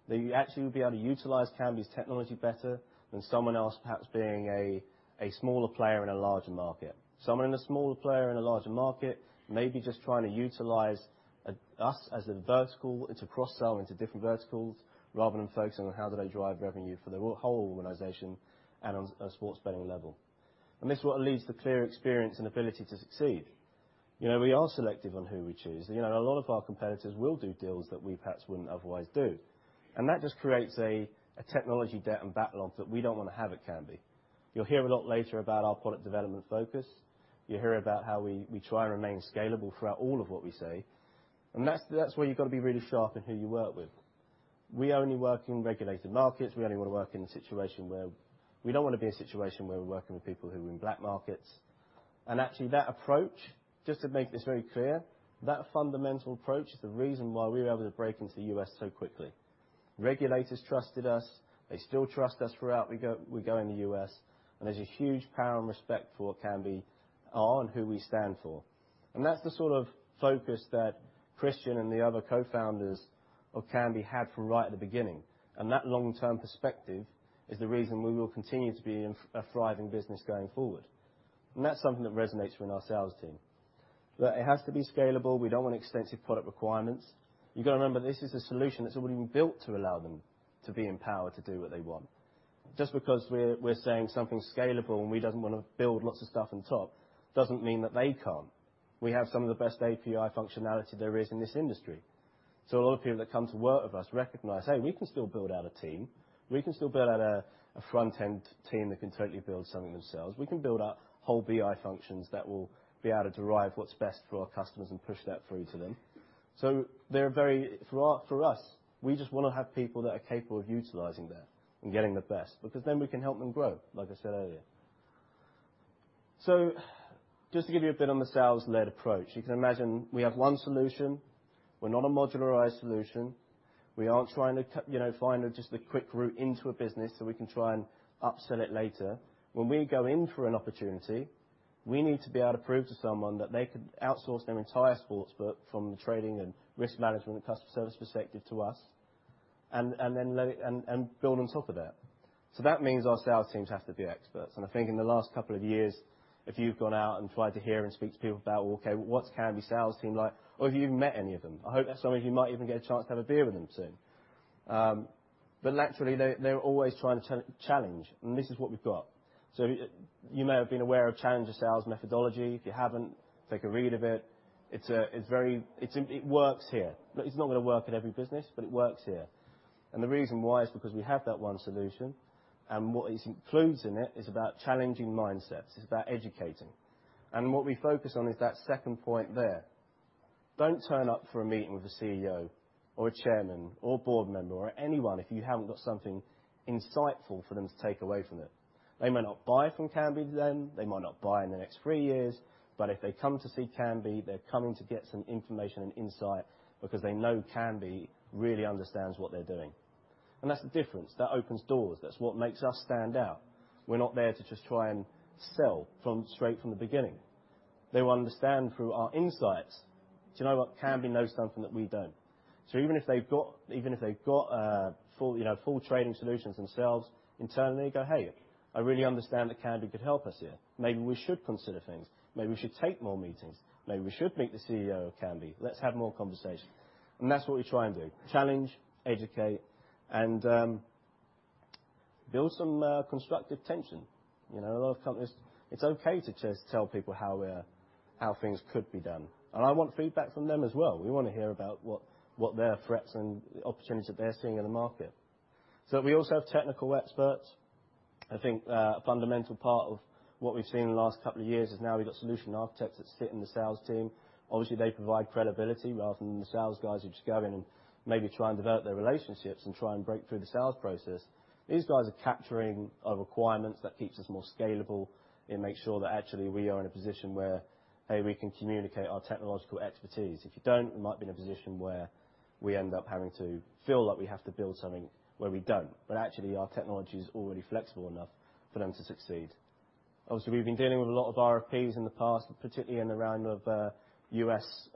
that you actually will be able to utilize Kambi's technology better than someone else, perhaps being a smaller player in a larger market. Someone in a smaller player in a larger market may be just trying to utilize us as a vertical to cross-sell into different verticals rather than focusing on how do they drive revenue for their whole organization and on a sports betting level. This is what leads to clear experience and ability to succeed. We are selective on who we choose, and a lot of our competitors will do deals that we perhaps wouldn't otherwise do. That just creates a technology debt and backlog that we don't want to have at Kambi. You'll hear a lot later about our product development focus. You'll hear about how we try and remain scalable throughout all of what we say. That's where you've got to be really sharp in who you work with. We only work in regulated markets. We don't want to be in a situation where we're working with people who are in black markets. Actually, that approach, just to make this very clear, that fundamental approach is the reason why we were able to break into the U.S. so quickly. Regulators trusted us. They still trust us throughout we go in the U.S., and there's a huge power and respect for Kambi on who we stand for. That's the sort of focus that Kristian and the other co-founders of Kambi had from right at the beginning. That long-term perspective is the reason we will continue to be a thriving business going forward. That's something that resonates within our sales team. Look, it has to be scalable. We don't want extensive product requirements. You've got to remember, this is a solution that's already been built to allow them to be empowered to do what they want. Just because we're saying something scalable and we don't want to build lots of stuff on top doesn't mean that they can't. We have some of the best API functionality there is in this industry. A lot of people that come to work with us recognize, hey, we can still build out a team. We can still build out a front-end team that can totally build something themselves. We can build out whole BI functions that will be able to derive what's best for our customers and push that through to them. For us, we just want to have people that are capable of utilizing that and getting the best, because then we can help them grow, like I said earlier. So just to give you a bit on the sales-led approach. You can imagine we have one solution. We're not a modularized solution. We aren't trying to find just a quick route into a business so we can try and upsell it later. When we go in for an opportunity, we need to be able to prove to someone that they could outsource their entire sportsbook from the trading and risk management and customer service perspective to us, and build on top of that. That means our sales teams have to be experts. I think in the last couple of years, if you've gone out and tried to hear and speak to people about, okay, what's Kambi sales team like, or if you've even met any of them, I hope some of you might even get a chance to have a beer with them soon. Naturally, they're always trying to challenge, and this is what we've got. You may have been aware of Challenger sales methodology. If you haven't, take a read of it. It works here. It's not going to work at every business, but it works here. The reason why is because we have that one solution, and what it includes in it is about challenging mindsets. It's about educating. What we focus on is that second point there. Don't turn up for a meeting with a CEO or a Chairman or a board member or anyone if you haven't got something insightful for them to take away from it. They may not buy from Kambi then, they might not buy in the next three years, but if they come to see Kambi, they're coming to get some information and insight because they know Kambi really understands what they're doing. That's the difference. That opens doors. That's what makes us stand out. We're not there to just try and sell straight from the beginning. They will understand through our insights, do you know what, Kambi knows something that we don't. Even if they've got full trading solutions themselves internally, go, "Hey, I really understand that Kambi could help us here. Maybe we should consider things. Maybe we should take more meetings. Maybe we should meet the CEO of Kambi. Let's have more conversation." That's what we try and do, challenge, educate, and build some constructive tension. A lot of companies, it's okay to just tell people how things could be done. I want feedback from them as well. We want to hear about what their threats and opportunities that they're seeing in the market. We also have technical experts. I think a fundamental part of what we've seen in the last couple of years is now we've got solution architects that sit in the sales team. Obviously, they provide credibility rather than the sales guys who just go in and maybe try and develop their relationships and try and break through the sales process. These guys are capturing our requirements. That keeps us more scalable and makes sure that actually we are in a position where, hey, we can communicate our technological expertise. If you don't, we might be in a position where we end up having to feel like we have to build something where we don't, but actually our technology is already flexible enough for them to succeed. Obviously, we've been dealing with a lot of RFPs in the past, particularly in the realm in the U.S.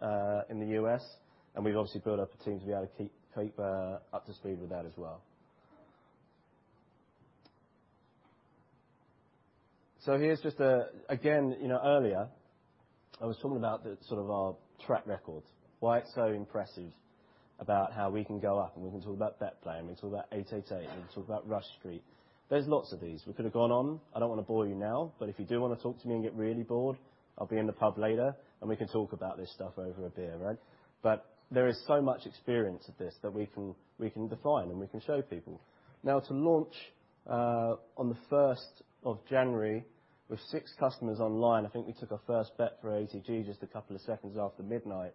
We've obviously built up a team to be able to keep up to speed with that as well. Here's just, again, earlier I was talking about sort of our track record, why it's so impressive about how we can go up and we can talk about BetPlay and we can talk about 888 and we can talk about Rush Street. There's lots of these. We could have gone on. I don't want to bore you now, if you do want to talk to me and get really bored, I'll be in the pub later and we can talk about this stuff over a beer, all right. There is so much experience of this that we can define and we can show people. Now to launch on the 1st of January with six customers online, I think we took our first bet for ATG just a couple of seconds after midnight.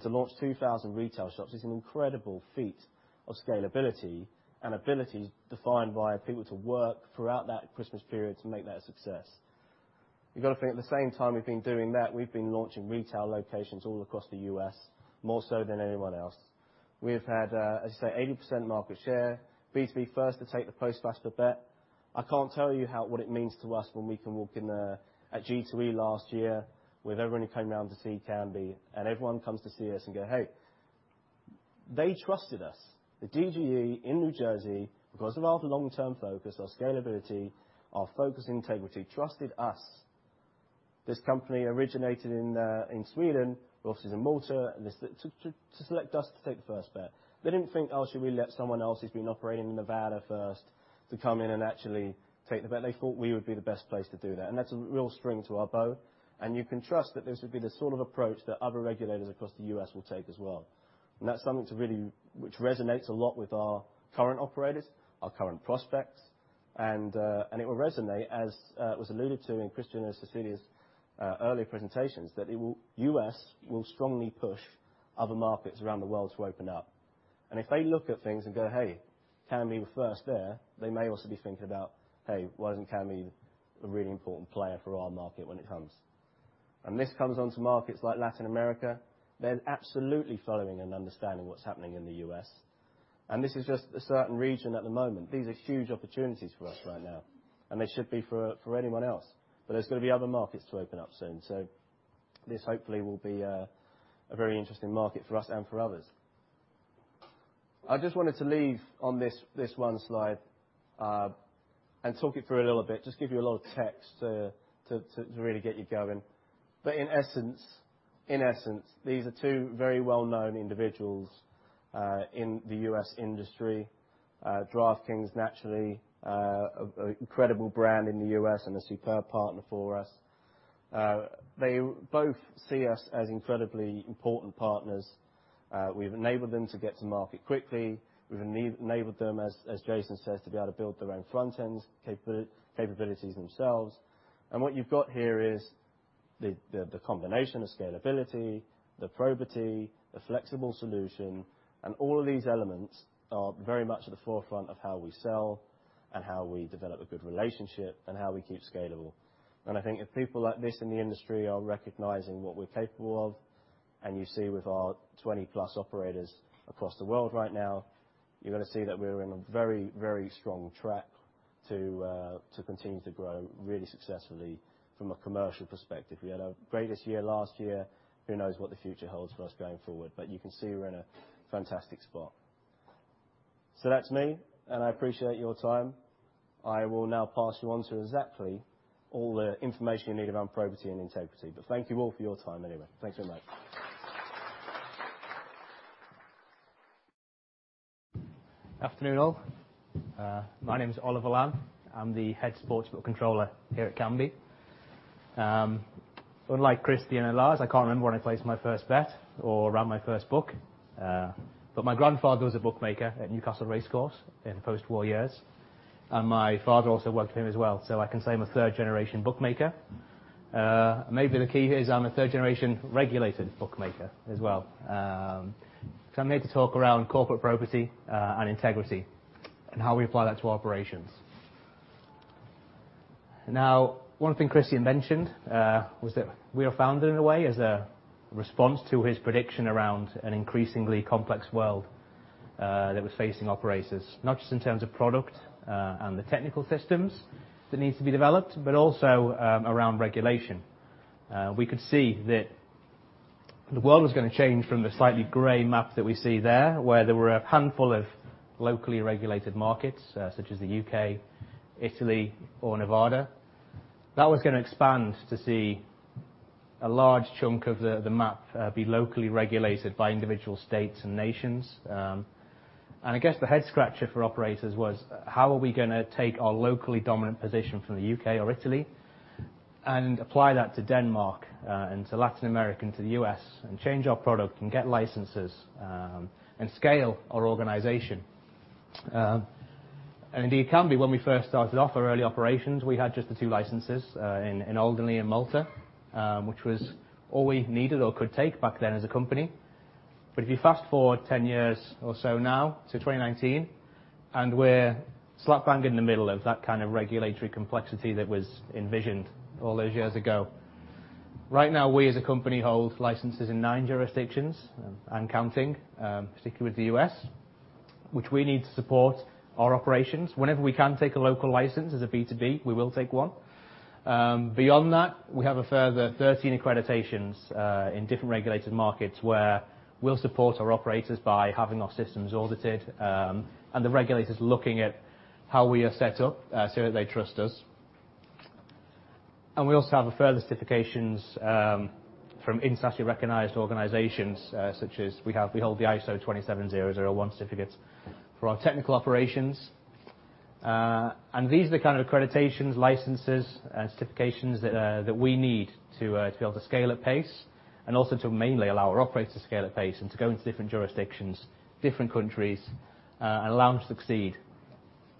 To launch 2,000 retail shops is an incredible feat of scalability and abilities defined by people to work throughout that Christmas period to make that a success. You've got to think at the same time we've been doing that, we've been launching retail locations all across the U.S., more so than anyone else. We have had, as I say, 80% market share, B2B first to take the post-PASPA bet. I can't tell you what it means to us when we can walk in at G2E last year with everybody coming around to see Kambi and everyone comes to see us and go, "Hey." They trusted us. The DGE in New Jersey, because of our long-term focus, our scalability, our focus, integrity, trusted us. This company originated in Sweden with offices in Malta to select us to take the first bet. They didn't think, "Oh, should we let someone else who's been operating in Nevada first to come in and actually take the bet?" They thought we would be the best place to do that. That's a real string to our bow, you can trust that this would be the sort of approach that other regulators across the U.S. will take as well. That's something which resonates a lot with our current operators, our current prospects, and it will resonate as was alluded to in Kristian and Cecilia's earlier presentations, that U.S. will strongly push other markets around the world to open up. If they look at things and go, "Hey, Kambi were first there," they may also be thinking about, "Hey, why isn't Kambi a really important player for our market when it comes?" This comes onto markets like Latin America. They're absolutely following and understanding what's happening in the U.S. This is just a certain region at the moment. These are huge opportunities for us right now, and they should be for anyone else. There's going to be other markets to open up soon. This hopefully will be a very interesting market for us and for others. I just wanted to leave on this one slide and talk you through a little bit, just give you a lot of text to really get you going. In essence, these are two very well-known individuals in the U.S. industry. DraftKings, naturally, incredible brand in the U.S. and a superb partner for us. They both see us as incredibly important partners. We've enabled them to get to market quickly. We've enabled them, as Jason says, to be able to build their own front-ends capabilities themselves. What you've got here is the combination of scalability, the probity, the flexible solution, all of these elements are very much at the forefront of how we sell and how we develop a good relationship, and how we keep scalable. I think if people like this in the industry are recognizing what we're capable of, and you see with our 20-plus operators across the world right now, you're going to see that we are in a very strong track to continue to grow really successfully from a commercial perspective. We had our greatest year last year. Who knows what the future holds for us going forward. You can see we're in a fantastic spot. That's me, and I appreciate your time. I will now pass you on to exactly all the information you need around probity and integrity. Thank you all for your time anyway. Thanks very much. Afternoon, all. My name is Oliver Lamb. I'm the head sports book controller here at Kambi. Unlike Kristian and Lars, I can't remember when I placed my first bet or ran my first book. My grandfather was a bookmaker at Newcastle Racecourse in post-war years. My father also worked with him as well. I can say I'm a third-generation bookmaker. Maybe the key here is I'm a third-generation regulated bookmaker as well. I'm here to talk around corporate probity and integrity and how we apply that to our operations. Now, one thing Kristian mentioned, was that we are founded in a way as a response to his prediction around an increasingly complex world that was facing operators, not just in terms of product and the technical systems that needs to be developed, but also around regulation. We could see that the world was gonna change from the slightly gray map that we see there, where there were a handful of locally regulated markets, such as the U.K., Italy, or Nevada. That was gonna expand to see a large chunk of the map be locally regulated by individual states and nations. I guess the head-scratcher for operators was how are we gonna take our locally dominant position from the U.K. or Italy and apply that to Denmark and to Latin America and to the U.S., and change our product and get licenses, and scale our organization. Indeed, Kambi, when we first started off our early operations, we had just the two licenses in Alderney and Malta, which was all we needed or could take back then as a company. If you fast-forward 10 years or so now to 2019, we're slap bang in the middle of that kind of regulatory complexity that was envisioned all those years ago. Right now, we as a company hold licenses in nine jurisdictions and counting, particularly with the U.S., which we need to support our operations. Whenever we can take a local license as a B2B, we will take one. Beyond that, we have a further 13 accreditations in different regulated markets where we'll support our operators by having our systems audited, and the regulators looking at how we are set up so that they trust us. We also have further certifications from industry-recognized organizations such as we hold the ISO 27001 certificates for our technical operations. These are the kind of accreditations, licenses, and certifications that we need to be able to scale at pace and also to mainly allow our operators to scale at pace and to go into different jurisdictions, different countries, and allow them to succeed.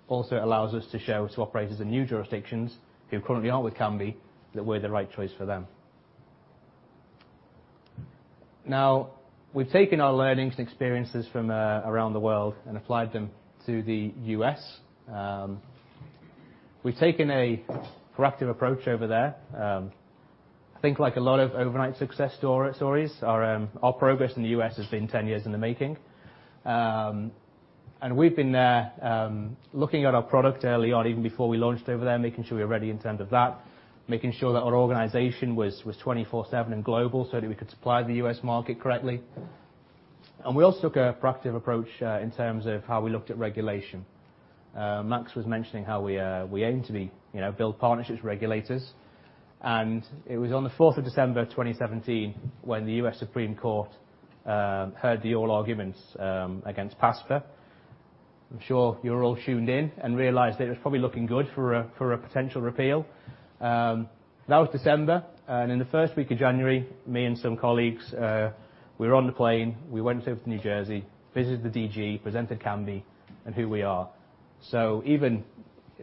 Also, it allows us to show to operators in new jurisdictions who currently aren't with Kambi that we're the right choice for them. Now, we've taken our learnings and experiences from around the world and applied them to the U.S. We've taken a proactive approach over there. I think like a lot of overnight success stories, our progress in the U.S. has been 10 years in the making. We've been there looking at our product early on, even before we launched over there, making sure we were ready in terms of that. Making sure that our organization was 24/7 and global so that we could supply the U.S. market correctly. We also took a proactive approach in terms of how we looked at regulation. Max was mentioning how we aim to build partnerships, regulators. It was on the 4th of December 2017 when the U.S. Supreme Court heard the oral arguments against PASPA. I'm sure you were all tuned in and realized that it was probably looking good for a potential repeal. That was December. In the first week of January, me and some colleagues we were on the plane, we went over to New Jersey, visited the DG, presented Kambi and who we are. So even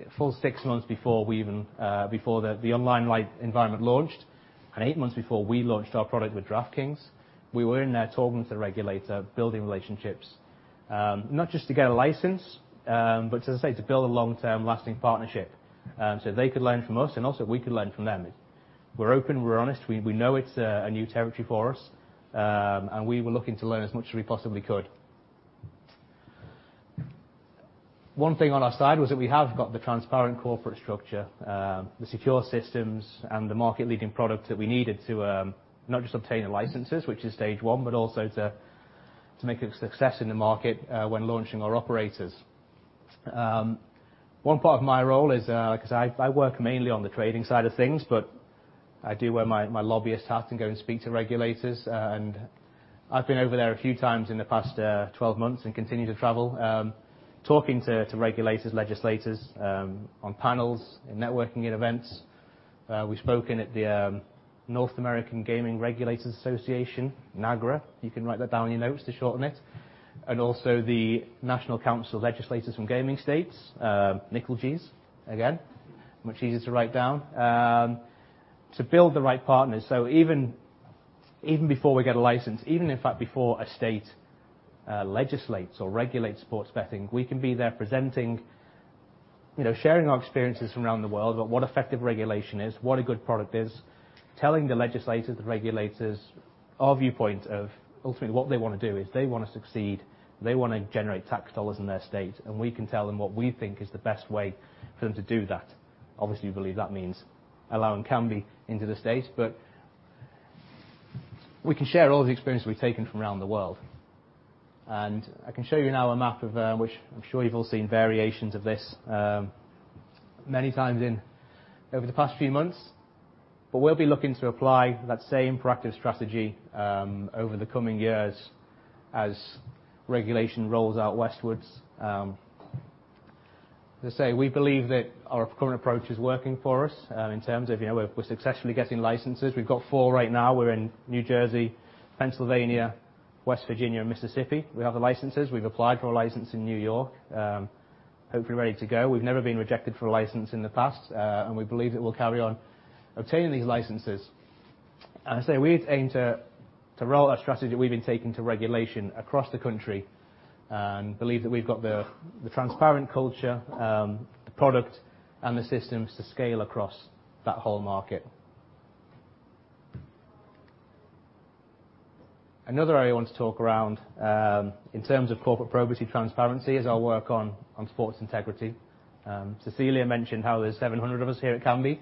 a full six months before the online live environment launched, and eight months before we launched our product with DraftKings, we were in there talking to the regulator, building relationships. Not just to get a license, as I say, to build a long-term lasting partnership so they could learn from us and also we could learn from them. We're open, we're honest. We know it's a new territory for us, we were looking to learn as much as we possibly could. One thing on our side was that we have got the transparent corporate structure, the secure systems, and the market-leading product that we needed to not just obtain the licenses, which is stage 1, but also to make a success in the market when launching our operators. One part of my role is because I work mainly on the trading side of things, but I do wear my lobbyist hat and go and speak to regulators. I've been over there a few times in the past 12 months and continue to travel talking to regulators, legislators on panels and networking at events. We've spoken at the North American Gaming Regulators Association, NAGRA. You can write that down in your notes to shorten it. Also the National Council of Legislators from Gaming States, NCLGS. Again, much easier to write down. To build the right partners. Even before we get a license, even in fact, before a state legislates or regulates sports betting, we can be there presenting, sharing our experiences from around the world about what effective regulation is, what a good product is, telling the legislators, the regulators our viewpoint of ultimately what they want to do is they want to succeed, they want to generate tax dollars in their state, and we can tell them what we think is the best way for them to do that. Obviously, we believe that means allowing Kambi into the state. We can share all the experience we've taken from around the world. I can show you now a map of which I'm sure you've all seen variations of this many times over the past few months. We'll be looking to apply that same proactive strategy over the coming years as regulation rolls out westwards. As I say, we believe that our current approach is working for us in terms of we're successfully getting licenses. We've got four right now. We're in New Jersey, Pennsylvania, West Virginia, and Mississippi. We have the licenses. We've applied for a license in New York. Hopefully ready to go. We've never been rejected for a license in the past. We believe that we'll carry on obtaining these licenses. As I say, we aim to roll our strategy that we've been taking to regulation across the country. Believe that we've got the transparent culture, the product, and the systems to scale across that whole market. Another area I want to talk around, in terms of corporate probity and transparency, is our work on sports integrity. Cecilia mentioned how there's 700 of us here at Kambi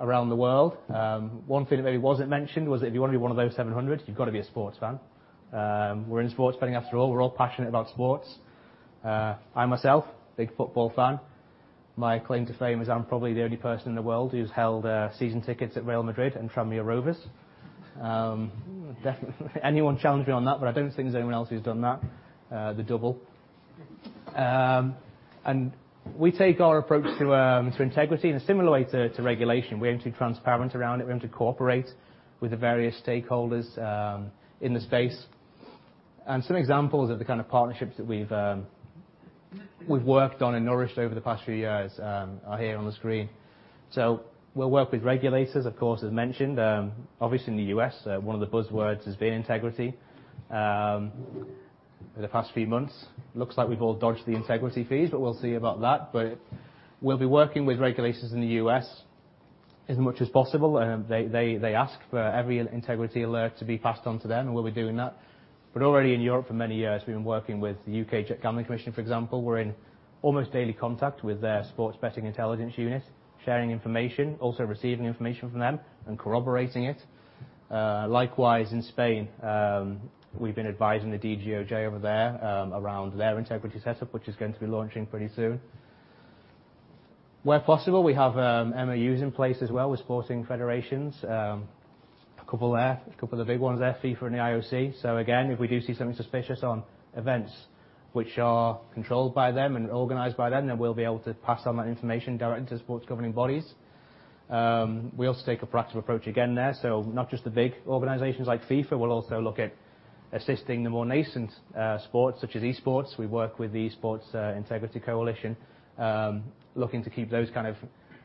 around the world. One thing that maybe wasn't mentioned was that if you want to be one of those 700, you've got to be a sports fan. We're in sports betting after all, we're all passionate about sports. I myself, big football fan. My claim to fame is I'm probably the only person in the world who's held season tickets at Real Madrid and Tranmere Rovers. Definitely anyone challenge me on that, but I don't think there's anyone else who's done that, the double. We take our approach to integrity in a similar way to regulation. We aim to be transparent around it. We aim to cooperate with the various stakeholders in the space. Some examples of the kind of partnerships that we've worked on and nourished over the past few years are here on the screen. We'll work with regulators, of course, as mentioned. Obviously in the U.S., one of the buzzwords has been integrity in the past few months. Looks like we've all dodged the integrity fees, but we'll see about that. We'll be working with regulators in the U.S. as much as possible. They ask for every integrity alert to be passed on to them, and we'll be doing that. Already in Europe for many years, we've been working with the UK Gambling Commission, for example. We're in almost daily contact with their sports betting intelligence unit, sharing information, also receiving information from them and corroborating it. Likewise, in Spain, we've been advising the DGOJ over there, around their integrity setup, which is going to be launching pretty soon. Where possible, we have MOUs in place as well with sporting federations. A couple there, a couple of the big ones there, FIFA and the IOC. If we do see something suspicious on events which are controlled by them and organized by them, then we'll be able to pass on that information directly to sports governing bodies. We also take a proactive approach again there. Not just the big organizations like FIFA, we'll also look at assisting the more nascent sports such as esports. We work with the Esports Integrity Commission, looking to keep those kind of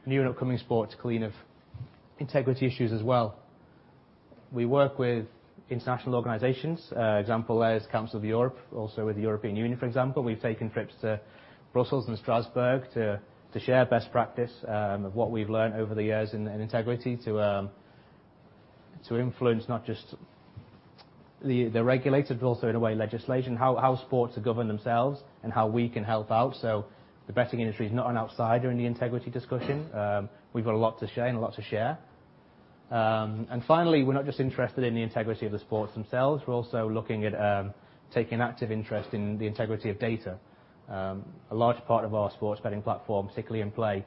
new and upcoming sports clean of integrity issues as well. We work with international organizations. Example there is Council of Europe, also with the European Union, for example. We've taken trips to Brussels and Strasbourg to share best practice of what we've learned over the years in integrity to influence not just the regulators, but also, in a way, legislation, how sports are governed themselves and how we can help out. The betting industry is not an outsider in the integrity discussion. We've got a lot to say and a lot to share. Finally, we're not just interested in the integrity of the sports themselves. We're also looking at taking active interest in the integrity of data. A large part of our sports betting platform, particularly in-play,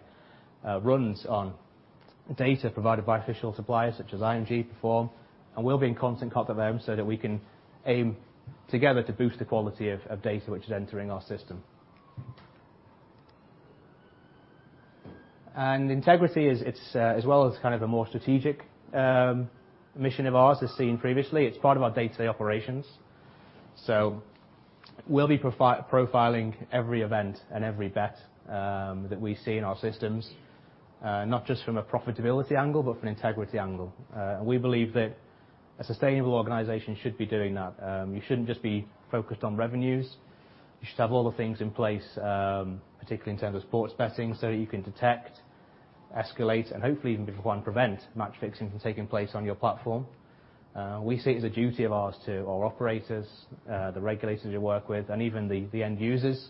runs on data provided by official suppliers such as IMG Perform, and we'll be in constant contact with them so that we can aim together to boost the quality of data which is entering our system. Integrity as well as kind of a more strategic mission of ours as seen previously, it's part of our day-to-day operations. We'll be profiling every event and every bet that we see in our systems, not just from a profitability angle, but from an integrity angle. We believe that a sustainable organization should be doing that. You shouldn't just be focused on revenues. You should have all the things in place, particularly in terms of sports betting, so that you can detect, escalate, and hopefully even, if you can, prevent match fixing from taking place on your platform. We see it as a duty of ours to our operators, the regulators we work with, and even the end users,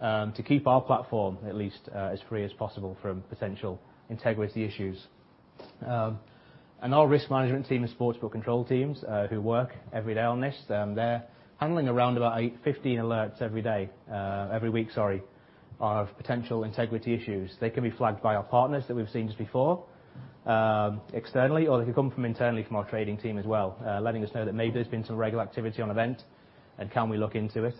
to keep our platform at least as free as possible from potential integrity issues. Our risk management team and sports book control teams, who work every day on this, they're handling around about 15 alerts every week, sorry, of potential integrity issues. They can be flagged by our partners that we've seen just before, externally, or they can come from internally from our trading team as well, letting us know that maybe there's been some regular activity on event, and can we look into it.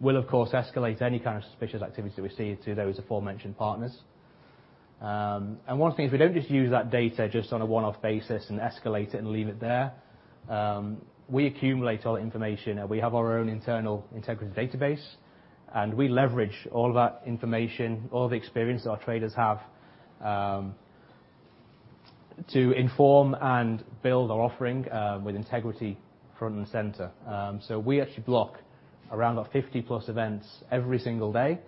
We'll, of course, escalate any kind of suspicious activity we see to those aforementioned partners. One thing is we don't just use that data just on a one-off basis and escalate it and leave it there. We accumulate all the information, and we have our own internal integrity database, and we leverage all that information, all the experience that our traders have, to inform and build our offering with integrity front and center. We actually block around about 50 plus events every single day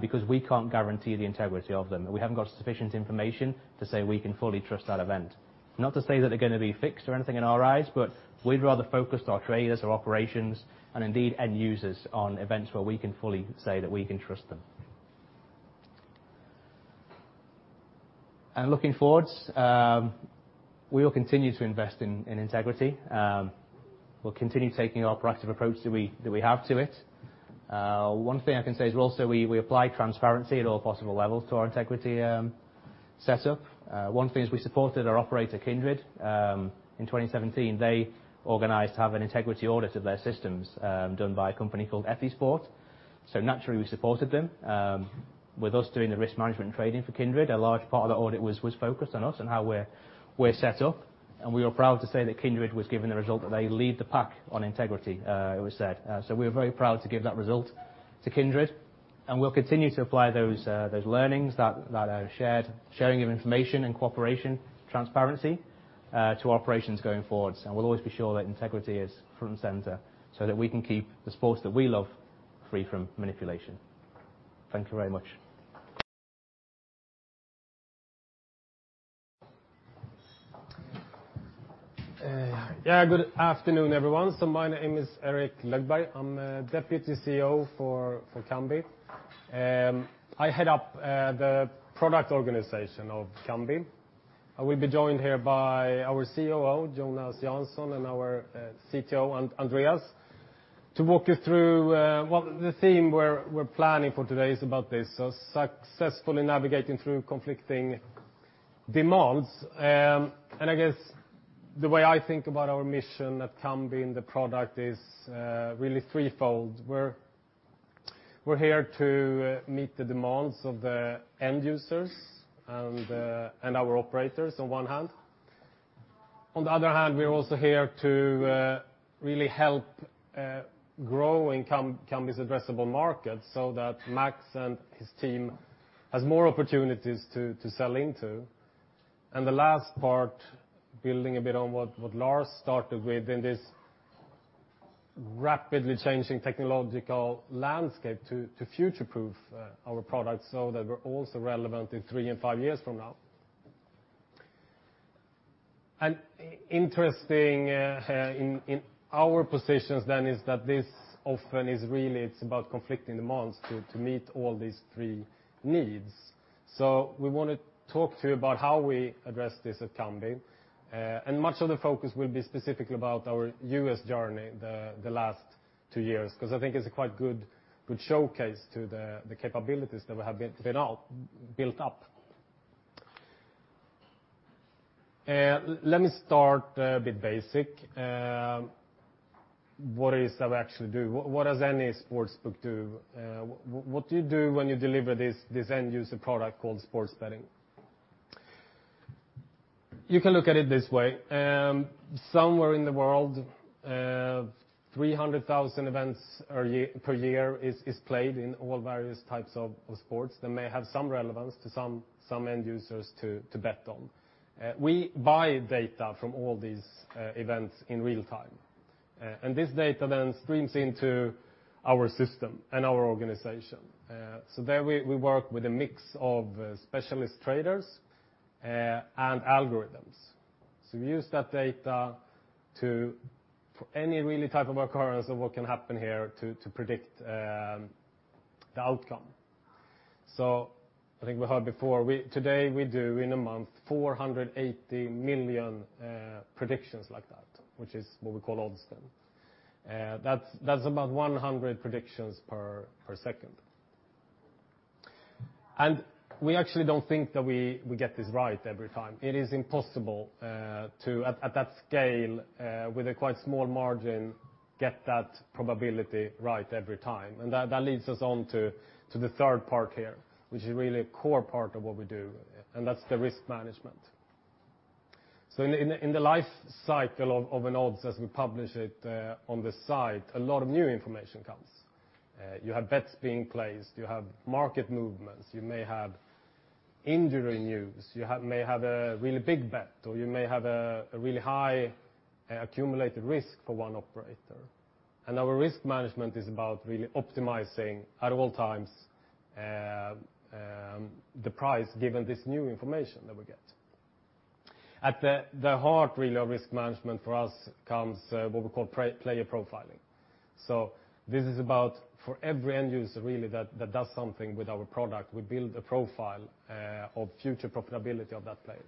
because we can't guarantee the integrity of them, and we haven't got sufficient information to say we can fully trust that event. Not to say that they're going to be fixed or anything in our eyes, but we'd rather focus our traders, our operations, and indeed end users on events where we can fully say that we can trust them. Looking forwards, we will continue to invest in integrity. We'll continue taking our proactive approach that we have to it. One thing I can say is also we apply transparency at all possible levels to our integrity setup. One thing is we supported our operator, Kindred. In 2017, they organized to have an integrity audit of their systems done by a company called EFISport. Naturally, we supported them. With us doing the risk management and trading for Kindred, a large part of the audit was focused on us and how we're set up. We are proud to say that Kindred was given the result that they lead the pack on integrity it was said. We are very proud to give that result to Kindred, and we'll continue to apply those learnings, that sharing of information and cooperation, transparency, to our operations going forwards. We'll always be sure that integrity is front and center so that we can keep the sports that we love free from manipulation. Thank you very much. Yeah, good afternoon, everyone. My name is Erik Lögdberg. I'm Deputy CEO for Kambi. I head up the product organization of Kambi. I will be joined here by our COO, Jonas Jansson, and our CTO, Andreas, to walk you through, well, the theme we're planning for today is about this, so successfully navigating through conflicting demands. I guess the way I think about our mission at Kambi and the product is really threefold. We're here to meet the demands of the end users and our operators on one hand. On the other hand, we are also here to really help grow Kambi's addressable market so that Max and his team has more opportunities to sell into. The last part, building a bit on what Lars started with, in this rapidly changing technological landscape to future-proof our products so that we're also relevant in three and five years from now. Interesting in our positions then is that this often is really, it's about conflicting demands to meet all these three needs. We want to talk to you about how we address this at Kambi. Much of the focus will be specifically about our U.S. journey the last two years, because I think it's a quite good showcase to the capabilities that have been built up. Let me start a bit basic. What is it that we actually do? What does any sportsbook do? What do you do when you deliver this end user product called sports betting? You can look at it this way. Somewhere in the world, 300,000 events per year is played in all various types of sports that may have some relevance to some end users to bet on. We buy data from all these events in real time. This data then streams into our system and our organization. There, we work with a mix of specialist traders and algorithms. We use that data to, for any really type of occurrence of what can happen here, to predict the outcome. I think we heard before, today we do in a month 480 million predictions like that, which is what we call oddstem. That's about 100 predictions per second. We actually don't think that we get this right every time. It is impossible to, at that scale, with a quite small margin, get that probability right every time. That leads us on to the third part here, which is really a core part of what we do, and that's the risk management. In the life cycle of an odds as we publish it on the site, a lot of new information comes. You have bets being placed, you have market movements, you may have injury news, you may have a really big bet, or you may have a really high accumulated risk for one operator. Our risk management is about really optimizing at all times the price given this new information that we get. At the heart really of risk management for us comes what we call player profiling. This is about for every end user really that does something with our product, we build a profile of future profitability of that player.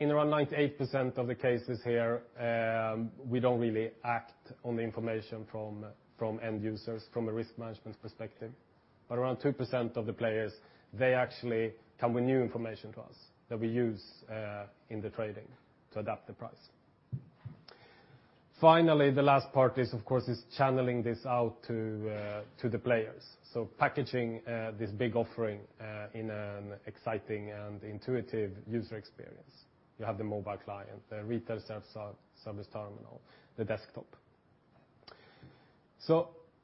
In around 98% of the cases here, we don't really act on the information from end users from a risk management perspective. Around 2% of the players, they actually come with new information to us that we use in the trading to adapt the price. Finally, the last part is, of course, is channeling this out to the players. Packaging this big offering in an exciting and intuitive user experience. You have the mobile client, the retail service terminal, the desktop.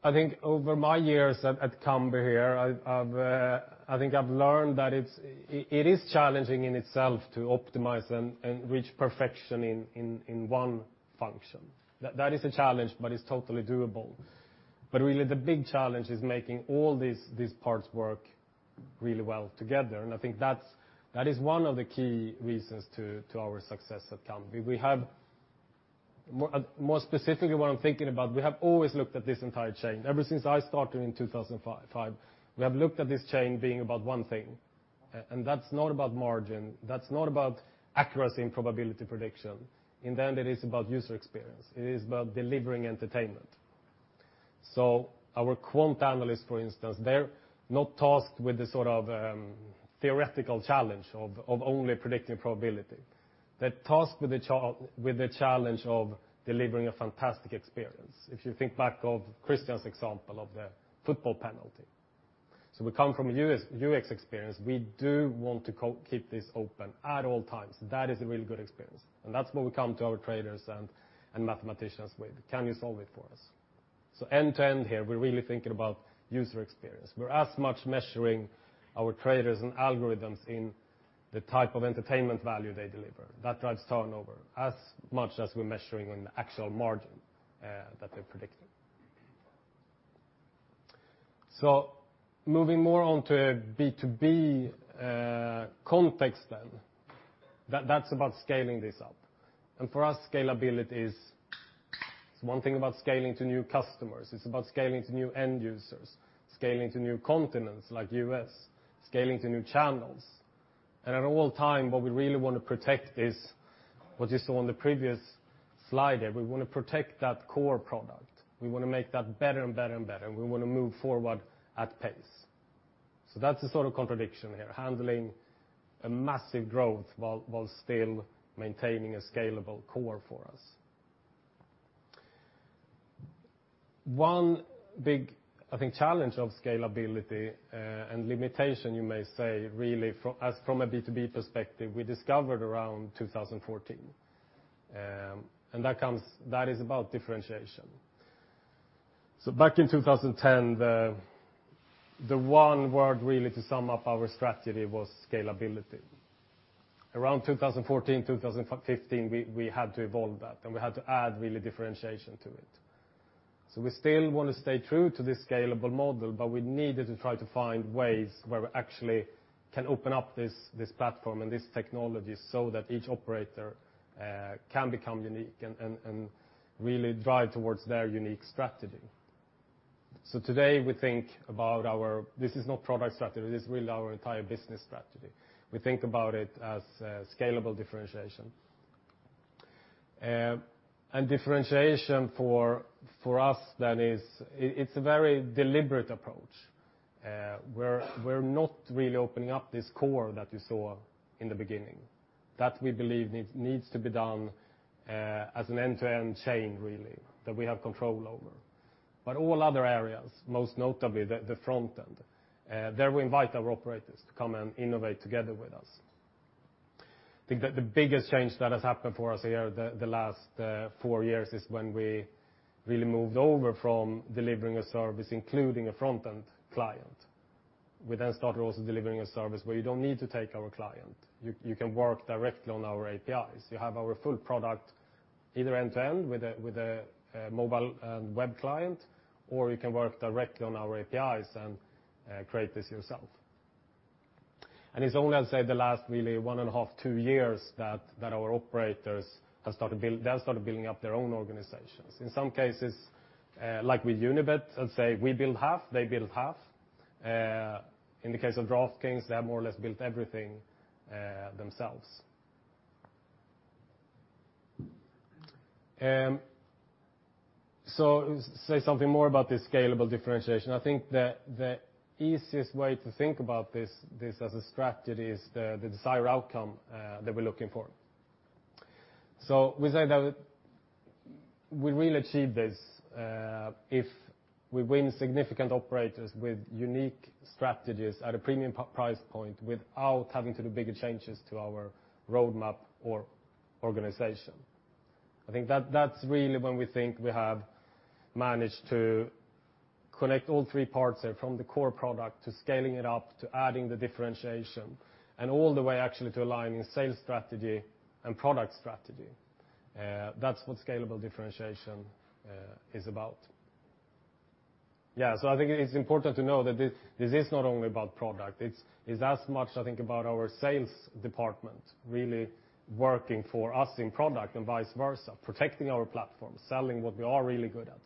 I think over my years at Kambi here, I think I've learned that it is challenging in itself to optimize and reach perfection in one function. That is a challenge, but it's totally doable. Really the big challenge is making all these parts work really well together, and I think that is one of the key reasons to our success at Kambi. More specifically what I'm thinking about, we have always looked at this entire chain. Ever since I started in 2005, we have looked at this chain being about one thing, and that's not about margin, that's not about accuracy and probability prediction. In the end, it is about user experience. It is about delivering entertainment. Our quant analysts, for instance, they're not tasked with the theoretical challenge of only predicting probability. They're tasked with the challenge of delivering a fantastic experience. If you think back of Kristian's example of the football penalty. We come from a UX experience. We do want to keep this open at all times. That is a real good experience, and that's where we come to our traders and mathematicians with, "Can you solve it for us?" End to end here, we're really thinking about user experience. We're as much measuring our traders and algorithms in the type of entertainment value they deliver, that drives turnover, as much as we're measuring on the actual margin that they're predicting. Moving more on to B2B context then. That's about scaling this up. For us, scalability is one thing about scaling to new customers. It's about scaling to new end users, scaling to new continents, like U.S., scaling to new channels. At all time, what we really want to protect is what you saw on the previous slide there. We want to protect that core product. We want to make that better and better and better, and we want to move forward at pace. That's the sort of contradiction here. Handling a massive growth while still maintaining a scalable core for us. One big, I think, challenge of scalability, and limitation you may say, really, as from a B2B perspective, we discovered around 2014. That is about differentiation. Back in 2010, the one word really to sum up our strategy was scalability. Around 2014, 2015, we had to evolve that, and we had to add really differentiation to it. We still want to stay true to this scalable model, but we needed to try to find ways where we actually can open up this platform and this technology so that each operator can become unique and really drive towards their unique strategy. Today, we think about our this is not product strategy, this is really our entire business strategy. We think about it as scalable differentiation. Differentiation for us then is, it's a very deliberate approach. We're not really opening up this core that you saw in the beginning. That we believe needs to be done as an end-to-end chain, really, that we have control over. All other areas, most notably the front end, there we invite our operators to come and innovate together with us. I think the biggest change that has happened for us here the last four years is when we really moved over from delivering a service, including a front-end client. We then started also delivering a service where you don't need to take our client. You can work directly on our APIs. You have our full product, either end-to-end with a mobile and web client, or you can work directly on our APIs and create this yourself. It is only, I will say, the last really one and a half, two years that our operators they have started building up their own organizations. In some cases, like with Unibet, I would say we build half, they build half. In the case of DraftKings, they have more or less built everything themselves. Say something more about this scalable differentiation. I think the easiest way to think about this as a strategy is the desired outcome that we are looking for. We say that we really achieve this if we win significant operators with unique strategies at a premium price point without having to do bigger changes to our roadmap or organization. I think that is really when we think we have managed to connect all three parts from the core product, to scaling it up, to adding the differentiation, and all the way actually to aligning sales strategy and product strategy. That is what scalable differentiation is about. I think it is important to know that this is not only about product, it is as much, I think, about our sales department really working for us in product and vice versa. Protecting our platform, selling what we are really good at.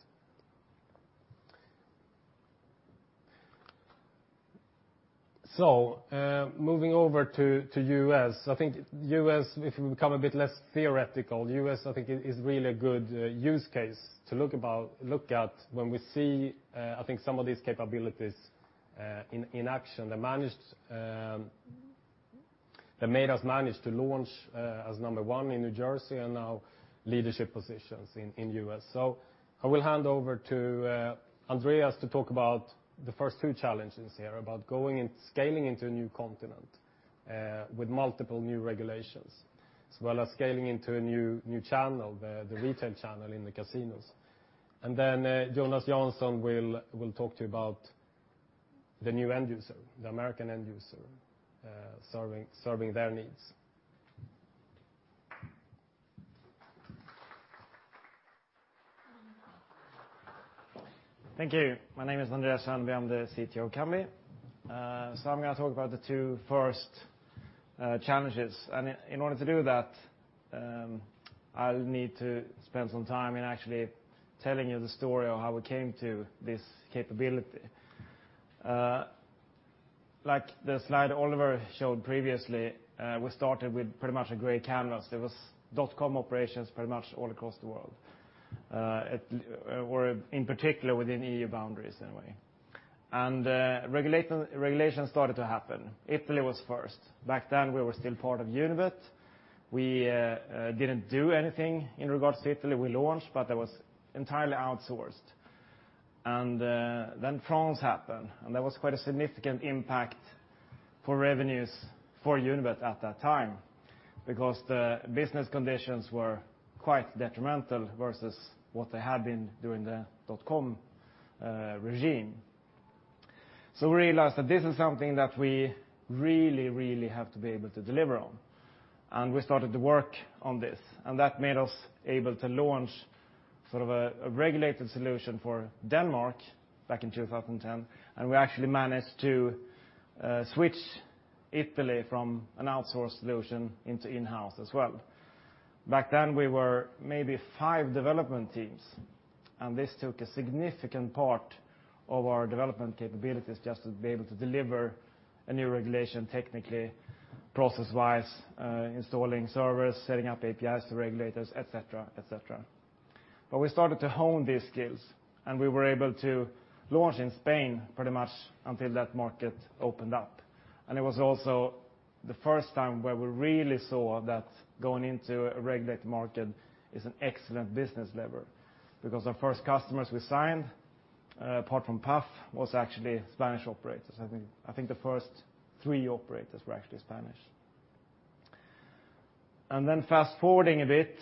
Moving over to U.S. I think if we become a bit less theoretical, U.S., I think, is really a good use case to look at when we see, I think some of these capabilities in action. That made us manage to launch as number one in New Jersey and now leadership positions in U.S. I will hand over to Andreas to talk about the first two challenges here about going and scaling into a new continent with multiple new regulations, as well as scaling into a new channel, the retail channel in the casinos. Then Jonas Jansson will talk to you about the new end user, the American end user, serving their needs. Thank you. My name is Andreas Söneby. I am the CTO of Kambi. I am going to talk about the two first challenges. In order to do that, I will need to spend some time in actually telling you the story of how we came to this capability. Like the slide Oliver showed previously, we started with pretty much a gray canvas. There was dot-com operations pretty much all across the world, in particular within EU boundaries anyway. Regulation started to happen. Italy was first. Back then, we were still part of Unibet. We did not do anything in regards to Italy. We launched, but that was entirely outsourced. Then France happened, and that was quite a significant impact for revenues for Unibet at that time, because the business conditions were quite detrimental versus what they had been during the dot-com regime. We realized that this is something that we really, really have to be able to deliver on. We started to work on this, and that made us able to launch sort of a regulated solution for Denmark back in 2010. We actually managed to switch Italy from an outsourced solution into in-house as well. Back then, we were maybe five development teams, and this took a significant part of our development capabilities just to be able to deliver a new regulation technically, process-wise, installing servers, setting up APIs to regulators, et cetera. We started to hone these skills, and we were able to launch in Spain pretty much until that market opened up. It was also the first time where we really saw that going into a regulated market is an excellent business lever. The first customers we signed, apart from Paf, was actually Spanish operators. I think the first three operators were actually Spanish. Fast-forwarding a bit,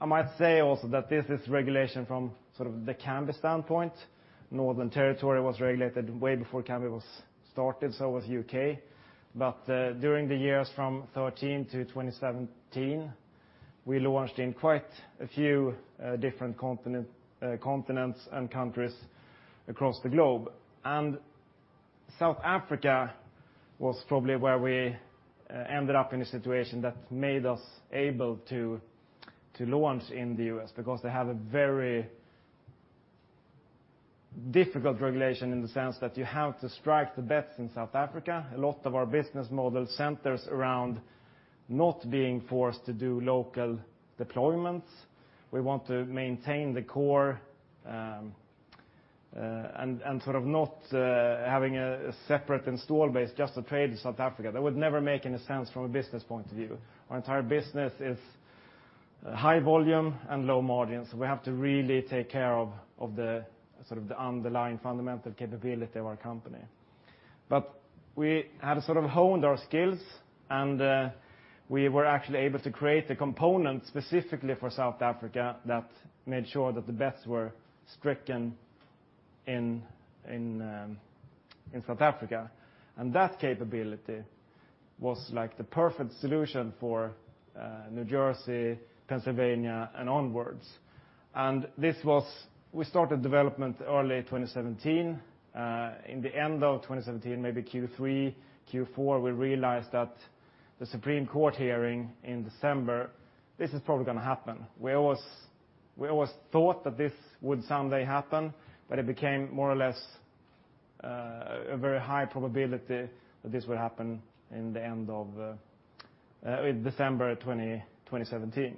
I might say also that this is regulation from sort of the Kambi standpoint. Northern Territory was regulated way before Kambi was started, so was U.K. During the years from 2013 to 2017, we launched in quite a few different continents and countries across the globe. South Africa was probably where we ended up in a situation that made us able to launch in the U.S. because they have a very difficult regulation in the sense that you have to strike the bets in South Africa. A lot of our business model centers around not being forced to do local deployments. We want to maintain the core, and sort of not having a separate install base just to trade in South Africa. That would never make any sense from a business point of view. Our entire business is high volume and low margin, so we have to really take care of the sort of the underlying fundamental capability of our company. We had sort of honed our skills, and we were actually able to create a component specifically for South Africa that made sure that the bets were stricken in South Africa. That capability was like the perfect solution for New Jersey, Pennsylvania, and onwards. We started development early 2017. In the end of 2017, maybe Q3, Q4, we realized that the Supreme Court hearing in December, this is probably going to happen. We always thought that this would someday happen, but it became more or less a very high probability that this would happen in December 2017.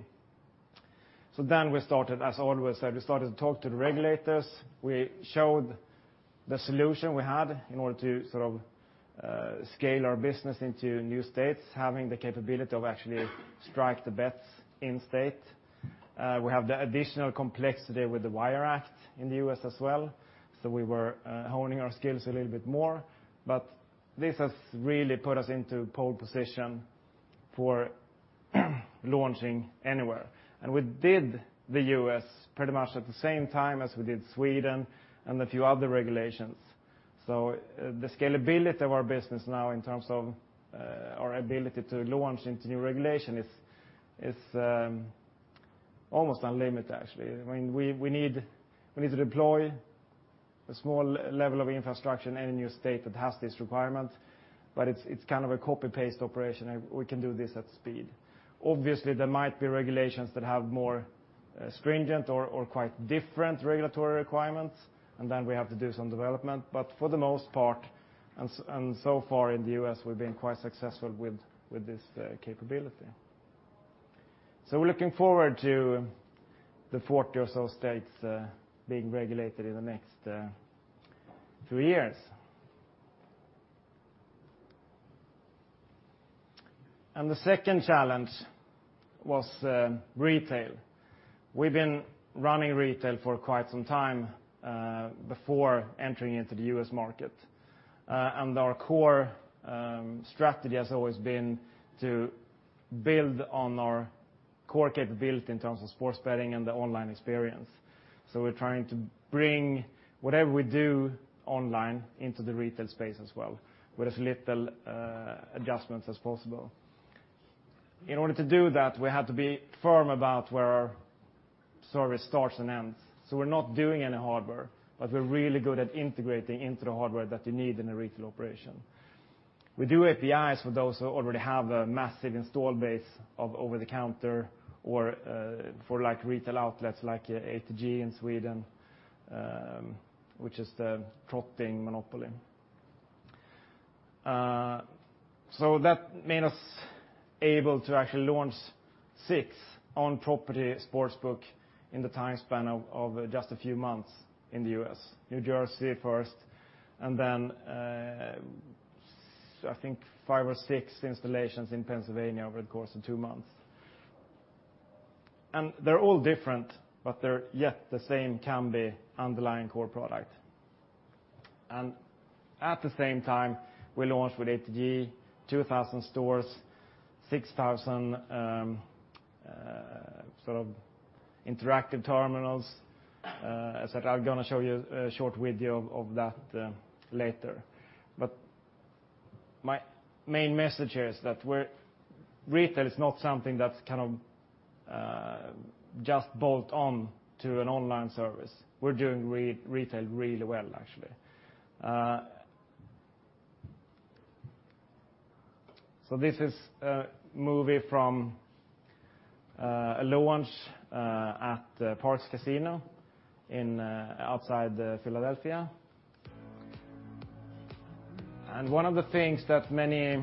We started, as Oliver said, we started to talk to the regulators. We showed the solution we had in order to sort of scale our business into new states, having the capability of actually strike the bets in state. We have the additional complexity with the Wire Act in the U.S. as well, so we were honing our skills a little bit more. This has really put us into pole position for launching anywhere. We did the U.S. pretty much at the same time as we did Sweden and a few other regulations. The scalability of our business now in terms of our ability to launch into new regulation is almost unlimited, actually. We need to deploy a small level of infrastructure in any new state that has this requirement, but it's kind of a copy-paste operation. We can do this at speed. There might be regulations that have more stringent or quite different regulatory requirements, we have to do some development. For the most part, and so far in the U.S., we've been quite successful with this capability. We're looking forward to the 40 or so states being regulated in the next few years. The second challenge was retail. We've been running retail for quite some time before entering into the U.S. market. Our core strategy has always been to build on our core capability in terms of sports betting and the online experience. We're trying to bring whatever we do online into the retail space as well, with as little adjustments as possible. In order to do that, we had to be firm about where our service starts and ends. We're not doing any hardware, but we're really good at integrating into the hardware that you need in a retail operation. We do APIs for those who already have a massive install base of over-the-counter, or for retail outlets like ATG in Sweden which is the trotting monopoly. That made us able to actually launch 6 on-property sportsbook in the time span of just a few months in the U.S. New Jersey first, I think 5 or 6 installations in Pennsylvania over the course of 2 months. They're all different, but they're yet the same Kambi underlying core product. At the same time, we launched with ATG 2,000 stores, 6,000 interactive terminals. As said, I'm going to show you a short video of that later. My main message here is that retail is not something that's kind of just bolt-on to an online service. We're doing retail really well, actually. This is a movie from a launch at Parx Casino outside Philadelphia. One of the things that many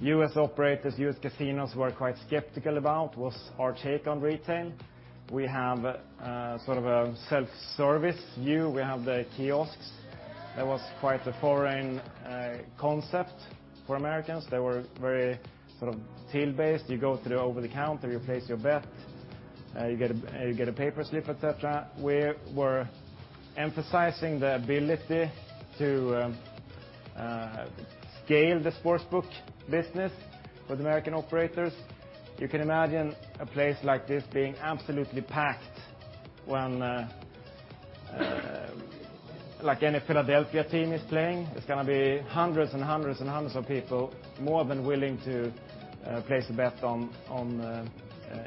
U.S. operators, U.S. casinos were quite skeptical about was our take on retail. We have sort of a self-service view. We have the kiosks. That was quite a foreign concept for Americans. They were very sort of till-based. You go to the over-the-counter, you place your bet, you get a paper slip, et cetera. We were emphasizing the ability to scale the sportsbook business with American operators. You can imagine a place like this being absolutely packed when any Philadelphia team is playing. It's going to be hundreds of people, more than willing to place a bet on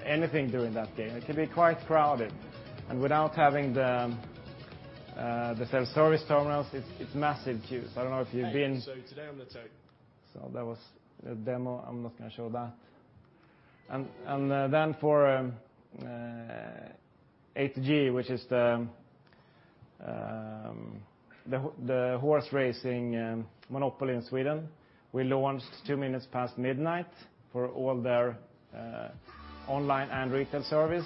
anything during that game. It can be quite crowded. Without having the self-service terminals, it's massive queues. I don't know if you've been. Today I'm going to. That was a demo. I'm not going to show that. For ATG, which is the horse racing monopoly in Sweden. We launched 2 minutes past midnight for all their online and retail service.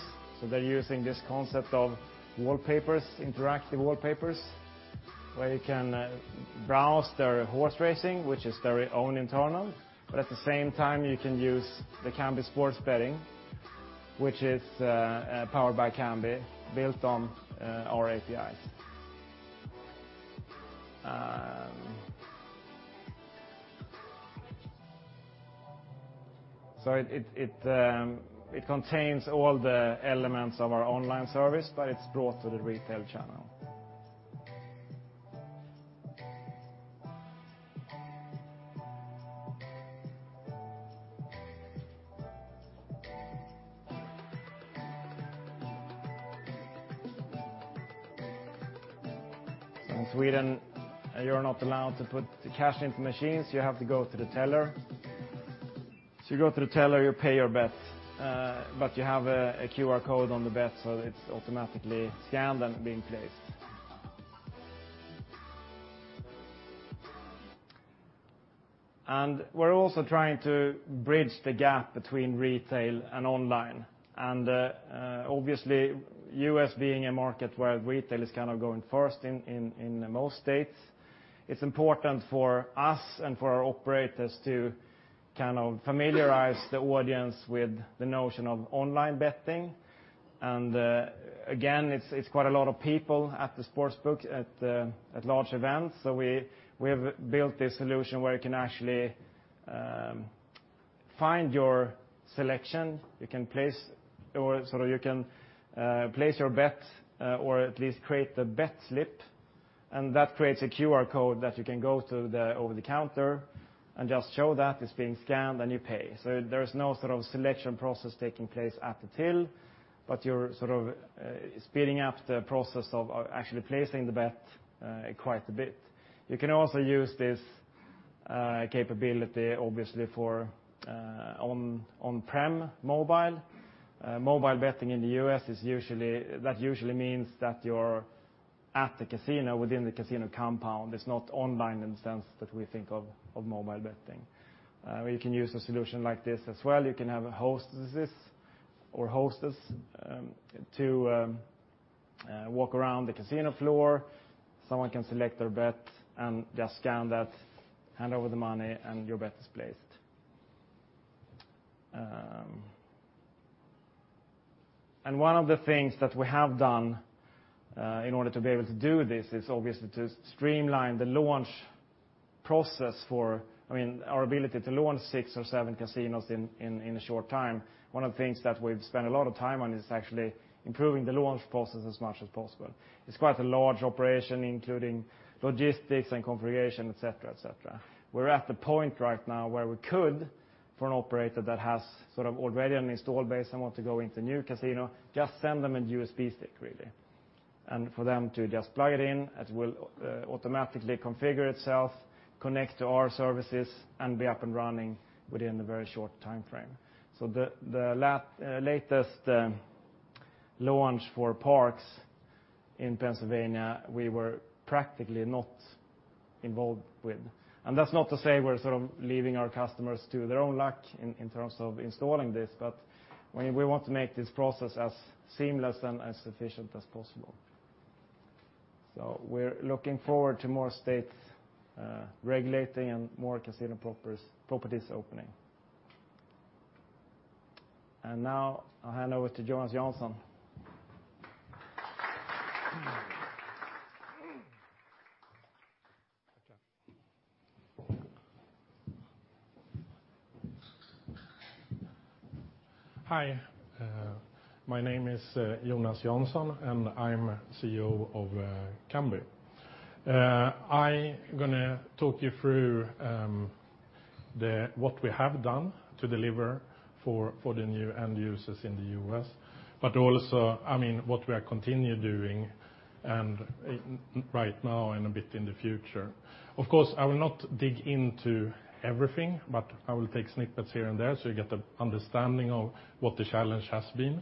They're using this concept of wallpapers, interactive wallpapers, where you can browse their horse racing, which is very own internal. At the same time, you can use the Kambi sports betting, which is powered by Kambi, built on our APIs. It contains all the elements of our online service, but it's brought to the retail channel. In Sweden, you're not allowed to put cash into machines. You have to go to the teller. You go to the teller, you pay your bet. You have a QR code on the bet, it's automatically scanned and being placed. We're also trying to bridge the gap between retail and online. Obviously, U.S. being a market where retail is kind of going first in most states, it's important for us and for our operators to kind of familiarize the audience with the notion of online betting. Again, it's quite a lot of people at the sports book at large events. We have built this solution where you can actually find your selection. You can place your bet or at least create the bet slip, and that creates a QR code that you can go to the over-the-counter and just show that. It's being scanned, and you pay. There's no sort of selection process taking place at the till, but you're sort of speeding up the process of actually placing the bet quite a bit. You can also use this capability, obviously, for on-prem mobile betting in the U.S., that usually means that you're at the casino within the casino compound. It's not online in the sense that we think of mobile betting. You can use a solution like this as well. You can have hostesses or hostess to walk around the casino floor. Someone can select their bet and just scan that, hand over the money, and your bet is placed. One of the things that we have done in order to be able to do this is obviously to streamline the launch process for our ability to launch 6 or 7 casinos in a short time. One of the things that we've spent a lot of time on is actually improving the launch process as much as possible. It's quite a large operation, including logistics and configuration, et cetera. We're at the point right now where we could, for an operator that has sort of already an install base and want to go into new casino, just send them a USB stick, really. For them to just plug it in, it will automatically configure itself, connect to our services, and be up and running within a very short time frame. The latest launch for Parx in Pennsylvania, we were practically not involved with. That's not to say we're sort of leaving our customers to their own luck in terms of installing this, but we want to make this process as seamless and as efficient as possible. We're looking forward to more states regulating and more casino properties opening. Now I'll hand over to Jonas Jansson. Hi, my name is Jonas Jansson, and I'm COO of Kambi. I going to talk you through what we have done to deliver for the new end users in the U.S., but also what we are continue doing right now and a bit in the future. Of course, I will not dig into everything, but I will take snippets here and there so you get an understanding of what the challenge has been.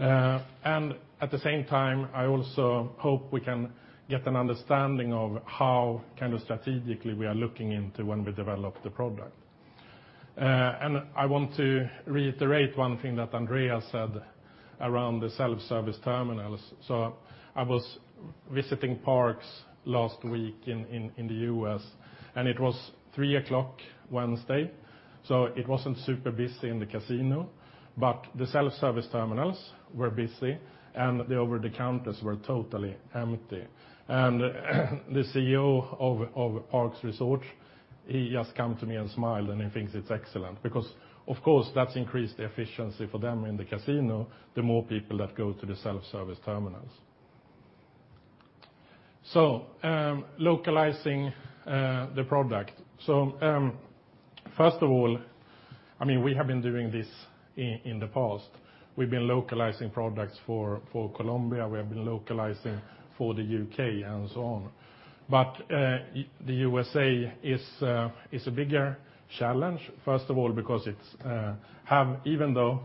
At the same time, I also hope we can get an understanding of how kind of strategically we are looking into when we develop the product. I want to reiterate one thing that Andreas said around the self-service terminals. I was visiting Parx last week in the U.S., and it was 3:00 P.M. Wednesday, so it wasn't super busy in the casino, but the self-service terminals were busy, and over the counters were totally empty. The CEO of Parx Resort, he just come to me and smiled, and he thinks it's excellent because, of course, that's increased efficiency for them in the casino, the more people that go to the self-service terminals. Localizing the product. First of all, we have been doing this in the past. We've been localizing products for Colombia. We have been localizing for the U.K. and so on. The U.S.A. is a bigger challenge, first of all, because even though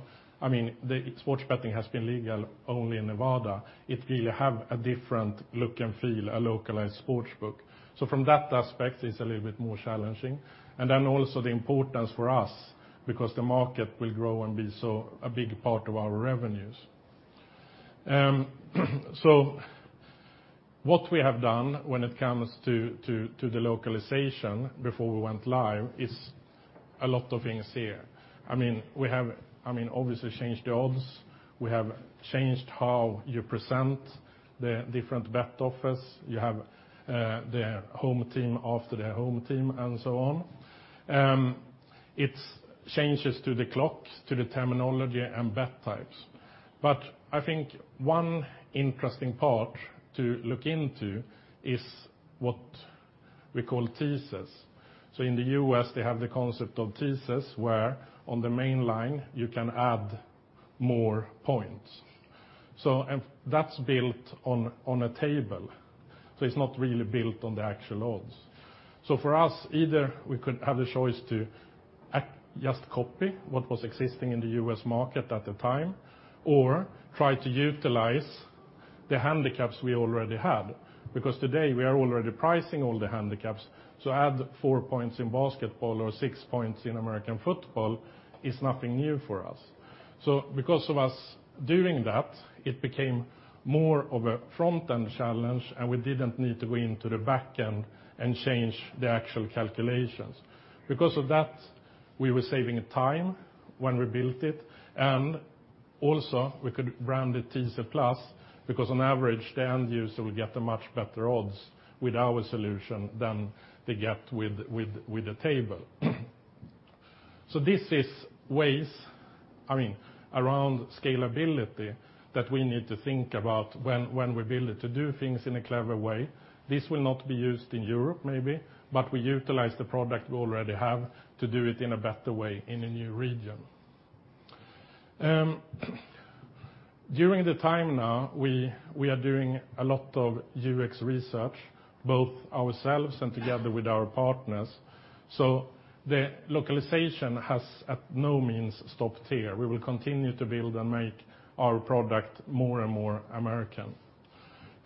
sports betting has been legal only in Nevada, it really have a different look and feel, a localized sports book. From that aspect, it's a little bit more challenging. Also the importance for us because the market will grow and be a big part of our revenues. What we have done when it comes to the localization before we went live is a lot of things here. We have obviously changed the odds. We have changed how you present the different bet offers. You have the home team after their home team and so on. It's changes to the clock, to the terminology, and bet types. I think one interesting part to look into is what we call teasers. In the U.S., they have the concept of teasers, where on the main line you can add more points. That's built on a table, so it's not really built on the actual odds. For us, either we could have the choice to just copy what was existing in the U.S. market at the time, or try to utilize the handicaps we already had, because today we are already pricing all the handicaps. Add four points in basketball or six points in American football is nothing new for us. Because of us doing that, it became more of a front-end challenge, and we didn't need to go into the back end and change the actual calculations. Because of that, we were saving time when we built it, and also we could brand the Teaser+ because on average, the end user will get a much better odds with our solution than they get with the table. This is ways around scalability that we need to think about when we build it to do things in a clever way. This will not be used in Europe maybe, but we utilize the product we already have to do it in a better way in a new region. During the time now, we are doing a lot of UX research, both ourselves and together with our partners. The localization has at no means stopped here. We will continue to build and make our product more and more American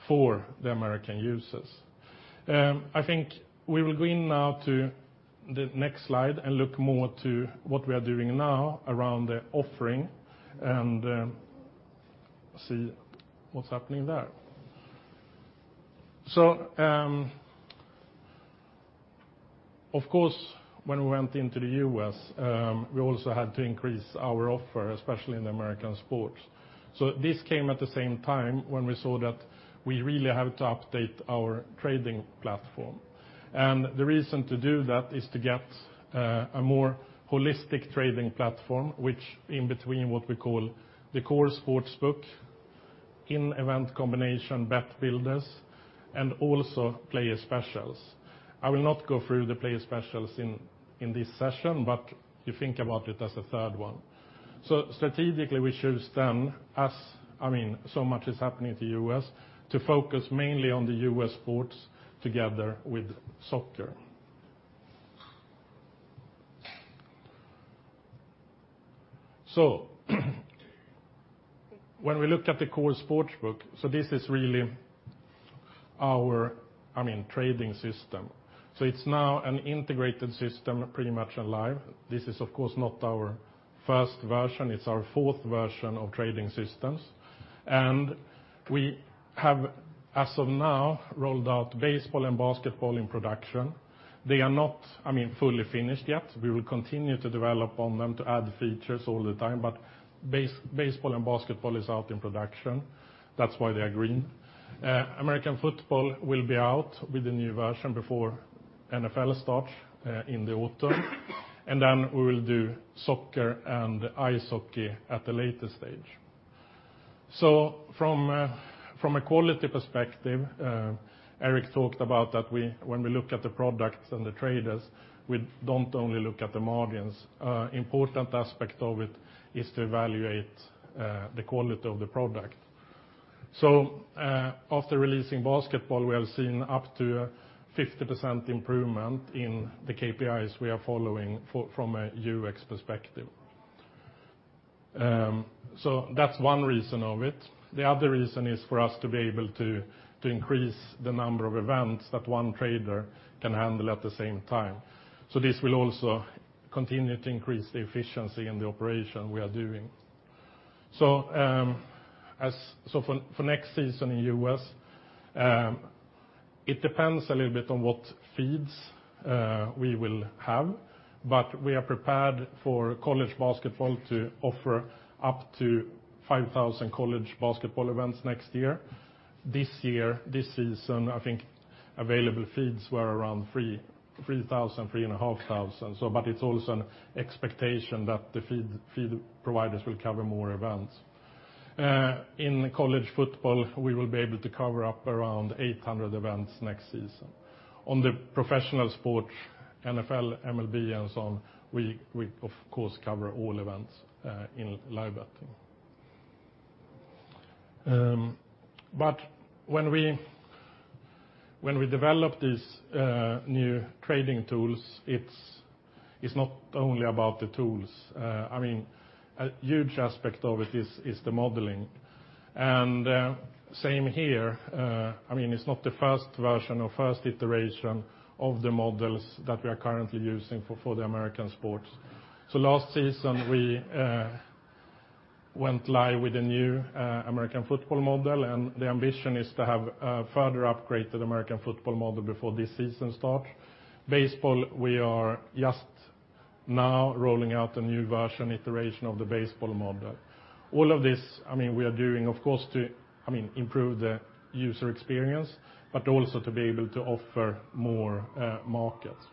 for the American users. I think we will go in now to the next slide and look more to what we are doing now around the offering and see what's happening there. Of course, when we went into the U.S., we also had to increase our offer, especially in the American sports. This came at the same time when we saw that we really have to update our trading platform. The reason to do that is to get a more holistic trading platform, which in between what we call the core sportsbook, in-event combination Bet Builders, and also player specials. I will not go through the player specials in this session, but you think about it as a third one. Strategically, we chose then, as so much is happening in the U.S., to focus mainly on the U.S. sports together with soccer. When we look at the core sportsbook, this is really our trading system. It's now an integrated system pretty much alive. This is, of course, not our first version. It's our fourth version of trading systems. We have, as of now, rolled out baseball and basketball in production. They are not fully finished yet. We will continue to develop on them to add features all the time, but baseball and basketball is out in production. That's why they are green. American football will be out with a new version before NFL starts in the autumn, and then we will do soccer and ice hockey at the later stage. From a quality perspective, Erik talked about that when we look at the products and the traders, we don't only look at the margins. Important aspect of it is to evaluate the quality of the product. After releasing basketball, we have seen up to 50% improvement in the KPIs we are following from a UX perspective. That's one reason of it. The other reason is for us to be able to increase the number of events that one trader can handle at the same time. This will also continue to increase the efficiency in the operation we are doing. For next season in U.S., it depends a little bit on what feeds we will have, but we are prepared for college basketball to offer up to 5,000 college basketball events next year. This year, this season, I think available feeds were around 3,000, 3,500. It's also an expectation that the feed providers will cover more events. In college football, we will be able to cover up around 800 events next season. On the professional sports, NFL, MLB, and so on, we of course, cover all events in live betting. When we develop these new trading tools, it's not only about the tools. A huge aspect of it is the modeling. Same here, it's not the first version or first iteration of the models that we are currently using for the American sports. Last season, we went live with a new American football model, and the ambition is to have a further upgraded American football model before this season start. Baseball, we are just now rolling out a new version iteration of the baseball model. All of this, we are doing, of course, to improve the user experience, but also to be able to offer more markets.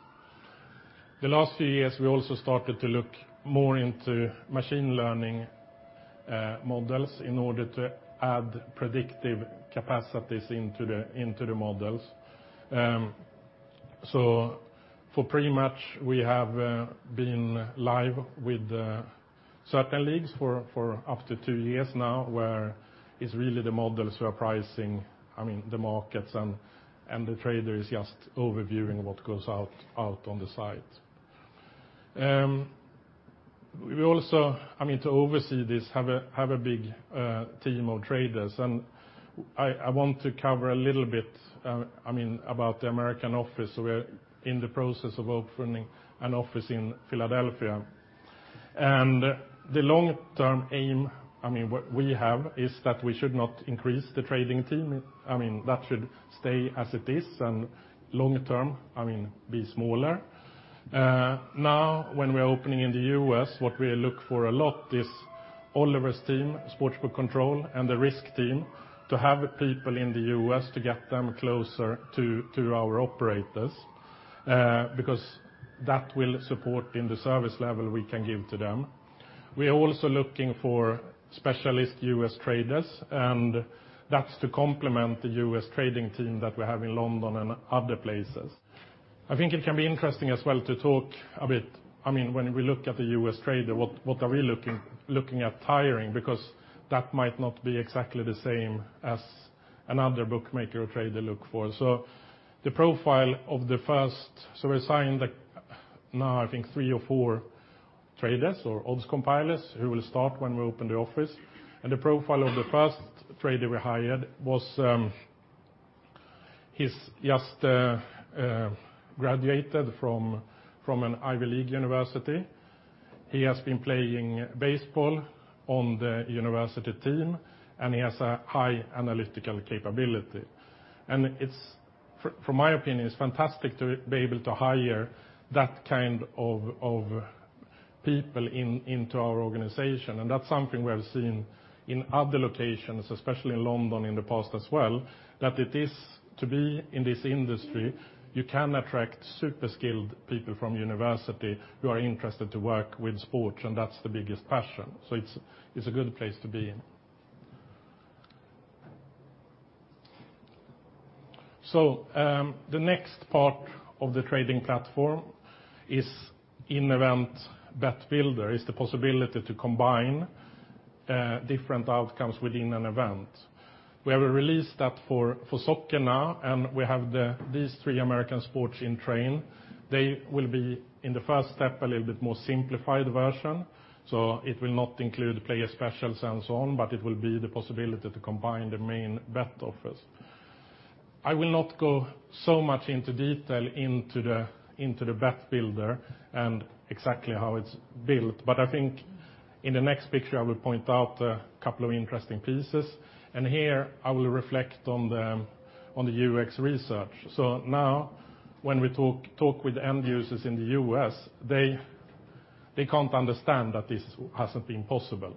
The last few years, we also started to look more into machine learning models in order to add predictive capacities into the models. For pretty much, we have been live with certain leagues for up to two years now, where it's really the models who are pricing the markets and the trader is just overviewing what goes out on the site. We also, to oversee this, have a big team of traders, and I want to cover a little bit about the American office. We're in the process of opening an office in Philadelphia. The long-term aim, what we have is that we should not increase the trading team. That should stay as it is, and long-term, be smaller. Now, when we are opening in the U.S., what we look for a lot is Oliver's team, sports book control, and the risk team to have people in the U.S. to get them closer to our operators, because that will support in the service level we can give to them. We are also looking for specialist U.S. traders, and that's to complement the U.S. trading team that we have in London and other places. I think it can be interesting as well to talk a bit, when we look at the U.S. trader, what are we looking at hiring? Because that might not be exactly the same as another bookmaker or trader look for. We're signed now, I think, three or four traders or odds compilers who will start when we open the office. The profile of the first trader we hired was, he's just graduated from an Ivy League university. He has been playing baseball on the university team, and he has a high analytical capability. From my opinion, it's fantastic to be able to hire that kind of people into our organization. That's something we have seen in other locations, especially in London, in the past as well, that it is to be in this industry, you can attract super skilled people from university who are interested to work with sports, and that's the biggest passion. It's a good place to be in. The next part of the trading platform is in-event Bet Builder, is the possibility to combine different outcomes within an event. We have released that for soccer now, and we have these three American sports in train. They will be, in the first step, a little bit more simplified version. It will not include player specials and so on, but it will be the possibility to combine the main bet offers. I will not go so much into detail into the Bet Builder and exactly how it's built, but I think in the next picture, I will point out a couple of interesting pieces, and here I will reflect on the UX research. Now when we talk with end users in the U.S., they can't understand that this hasn't been possible,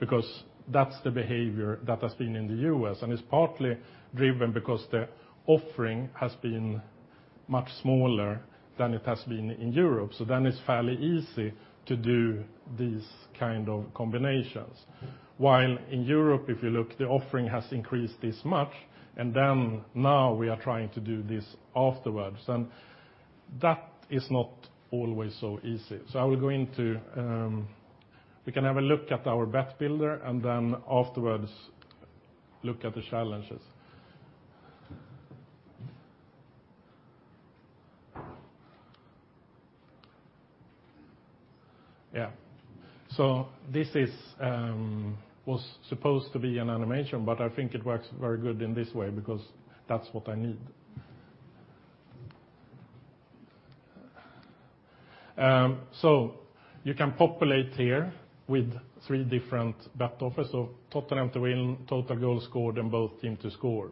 because that's the behavior that has been in the U.S. It's partly driven because the offering has been much smaller than it has been in Europe, it's fairly easy to do these kind of combinations. While in Europe, if you look, the offering has increased this much, now we are trying to do this afterwards, and that is not always so easy. I will go into, we can have a look at our Bet Builder and then afterwards look at the challenges. Yeah. This was supposed to be an animation, but I think it works very good in this way because that's what I need. You can populate here with three different bet offers. Tottenham to win, total goals scored, and both team to score,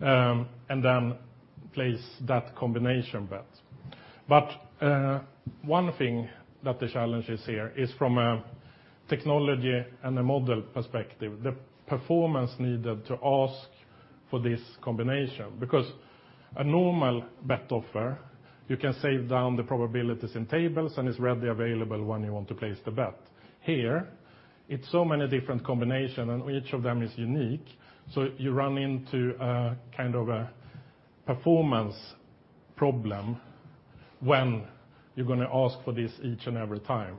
and then place that combination bet. One thing that the challenge is here is from a technology and a model perspective, the performance needed to ask for this combination. A normal bet offer, you can save down the probabilities in tables, and it's readily available when you want to place the bet. Here, it's so many different combination, and each of them is unique, you run into kind of a performance problem when you're going to ask for this each and every time.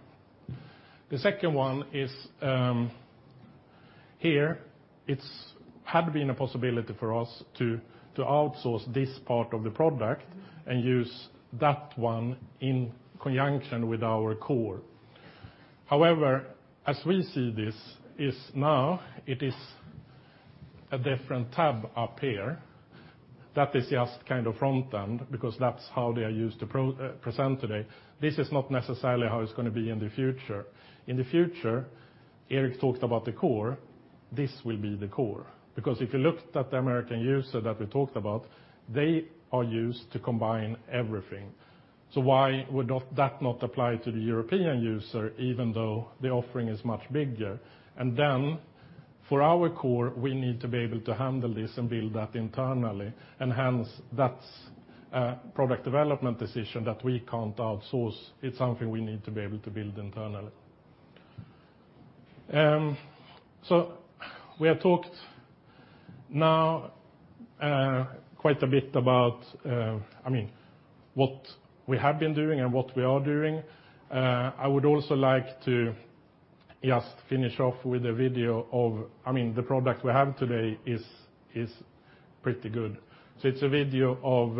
The second one is, here it had been a possibility for us to outsource this part of the product and use that one in conjunction with our core. However, as we see this is now, it is a different tab up here. That is just kind of front end because that's how they are used to present today. This is not necessarily how it's going to be in the future. In the future, Erik talked about the core. This will be the core. If you looked at the U.S. user that we talked about, they are used to combine everything. Why would that not apply to the European user, even though the offering is much bigger? For our core, we need to be able to handle this and build that internally, that's a product development decision that we can't outsource. It's something we need to be able to build internally. We have talked now quite a bit about what we have been doing and what we are doing. I would also like to just finish off with a video. The product we have today is pretty good. It's a video of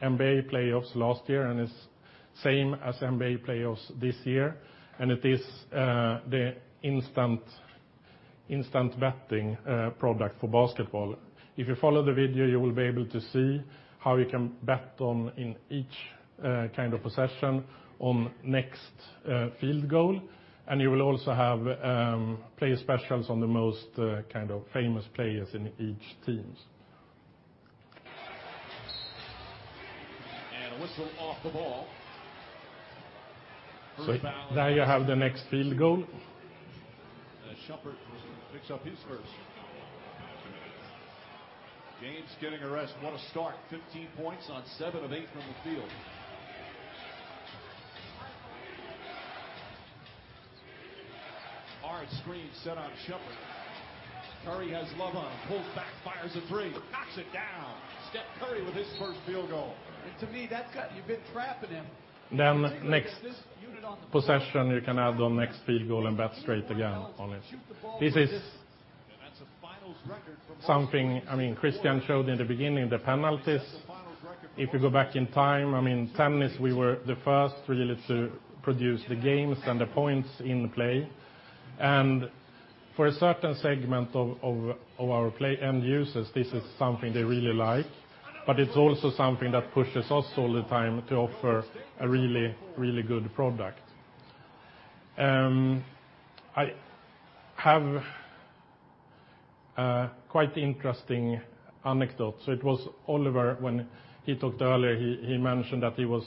NBA playoffs last year, and it's same as NBA playoffs this year, and it is the instant betting product for basketball. If you follow the video, you will be able to see how you can bet on in each kind of possession on next field goal, and you will also have player specials on the most kind of famous players in each teams. A whistle off the ball. First foul- There you have the next field goal Shumpert picks up his first. James getting a rest. What a start. 15 points on seven of eight from the field. Hard screen set on Shumpert. Curry has love on him. Pulls back, fires a three. Knocks it down. Steph Curry with his first field goal. To me, you've been trapping him- next possession, you can add on next field goal and bet straight again on it. That's a finals record. something Kristian showed in the beginning, the penalties. If you go back in time, in tennis, we were the first really to produce the games and the points in the play. For a certain segment of our play end users, this is something they really like. It's also something that pushes us all the time to offer a really good product. I have a quite interesting anecdote. It was Oliver, when he talked earlier, he mentioned that he was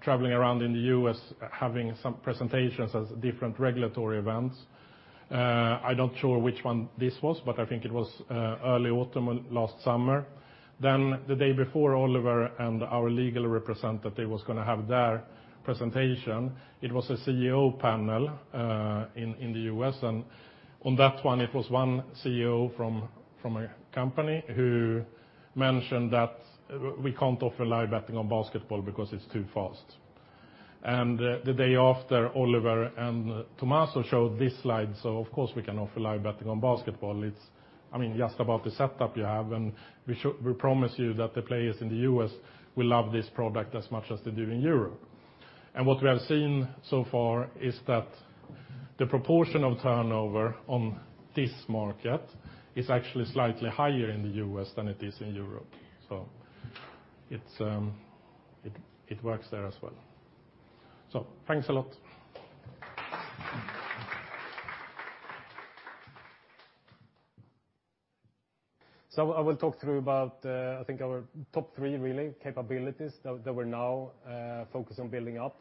traveling around in the U.S. having some presentations as different regulatory events. I'm not sure which one this was, but I think it was early autumn last summer. The day before Oliver and our legal representative was going to have their presentation, it was a CEO panel in the U.S., on that one, it was one CEO from a company who mentioned that we can't offer live betting on basketball because it's too fast. The day after, Oliver and Tommaso showed this slide, of course, we can offer live betting on basketball. It's just about the setup you have, we promise you that the players in the U.S. will love this product as much as they do in Europe. What we have seen so far is that the proportion of turnover on this market is actually slightly higher in the U.S. than it is in Europe. It works there as well. Thanks a lot. I will talk through about, I think, our top three really capabilities that we're now focused on building up.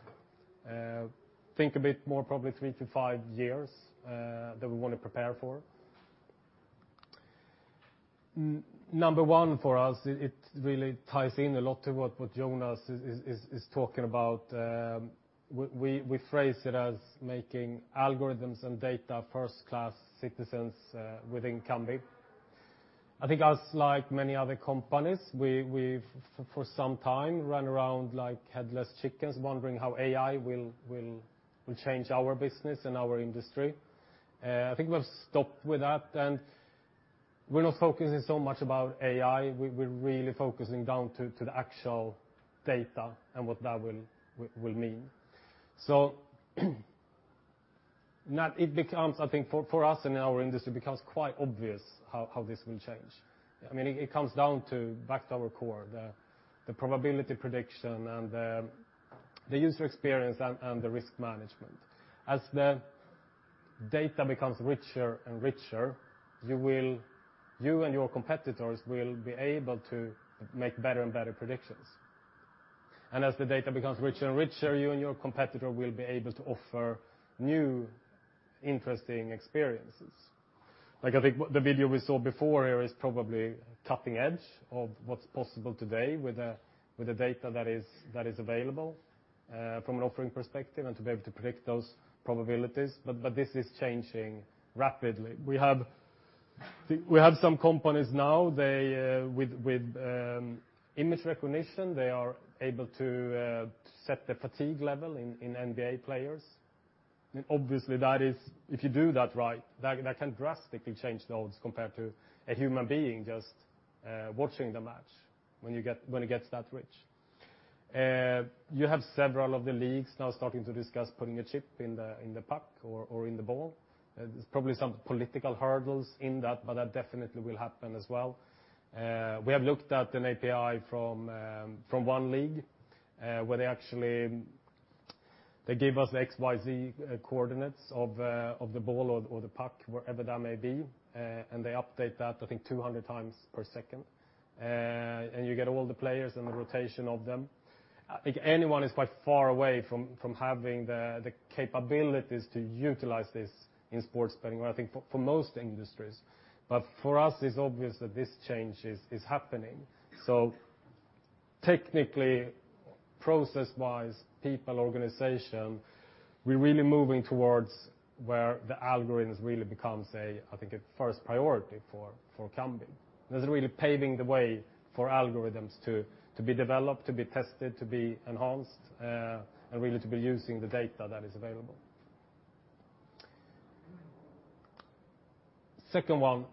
Think a bit more, probably three to five years that we want to prepare for. Number 1 for us, it really ties in a lot to what Jonas is talking about. We phrase it as making algorithms and data first-class citizens within Kambi. I think us, like many other companies, we've for some time run around like headless chickens, wondering how AI will change our business and our industry. I think we've stopped with that, and we're not focusing so much about AI. We're really focusing down to the actual data and what that will mean. It becomes, I think, for us in our industry, it becomes quite obvious how this will change. It comes down to back to our core, the probability prediction and the user experience and the risk management. As the data becomes richer and richer, you and your competitors will be able to make better and better predictions. As the data becomes richer and richer, you and your competitor will be able to offer new, interesting experiences. I think what the video we saw before here is probably cutting edge of what's possible today with the data that is available from an offering perspective and to be able to predict those probabilities. This is changing rapidly. We have some companies now with image recognition, they are able to set the fatigue level in NBA players. Obviously, if you do that right, that can drastically change the odds compared to a human being just watching the match when it gets that rich. You have several of the leagues now starting to discuss putting a chip in the puck or in the ball. There's probably some political hurdles in that definitely will happen as well. We have looked at an API from one league where they actually give us the XYZ coordinates of the ball or the puck, wherever that may be. They update that, I think, 200 times per second. You get all the players and the rotation of them. I think anyone is quite far away from having the capabilities to utilize this in sports betting, I think for most industries. For us, it's obvious that this change is happening. Technically, process-wise, people, organization, we're really moving towards where the algorithms really becomes, I think, a first priority for Kambi. This is really paving the way for algorithms to be developed, to be tested, to be enhanced, and really to be using the data that is available. Second 1,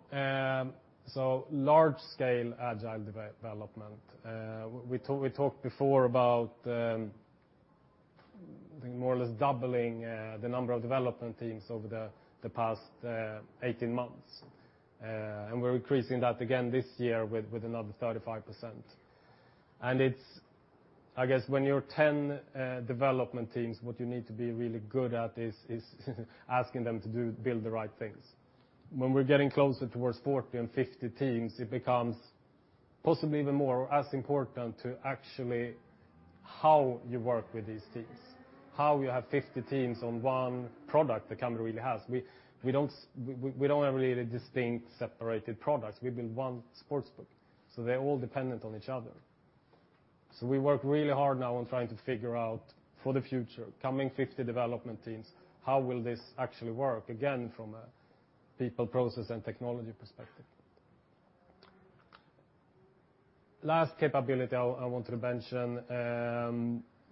large scale agile development. We talked before about more or less doubling the number of development teams over the past 18 months. We're increasing that again this year with another 35%. I guess when you're 10 development teams, what you need to be really good at is asking them to build the right things. When we're getting closer towards 40 and 50 teams, it becomes possibly even more as important to actually how you work with these teams, how you have 50 teams on one product that Kambi really has. We don't have really distinct separated products. We build one sportsbook, so they're all dependent on each other. We work really hard now on trying to figure out for the future, coming 50 development teams, how will this actually work? Again, from a people, process, and technology perspective. Last capability I wanted to mention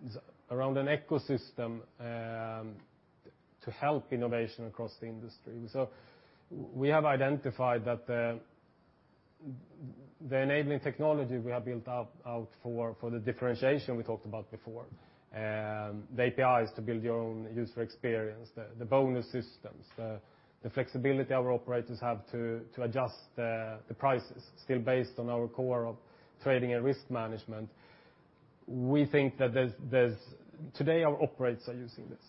is around an ecosystem to help innovation across the industry. We have identified that the enabling technology we have built out for the differentiation we talked about before, the APIs to build your own user experience, the bonus systems, the flexibility our operators have to adjust the prices, still based on our core of trading and risk management. Today, our operators are using this.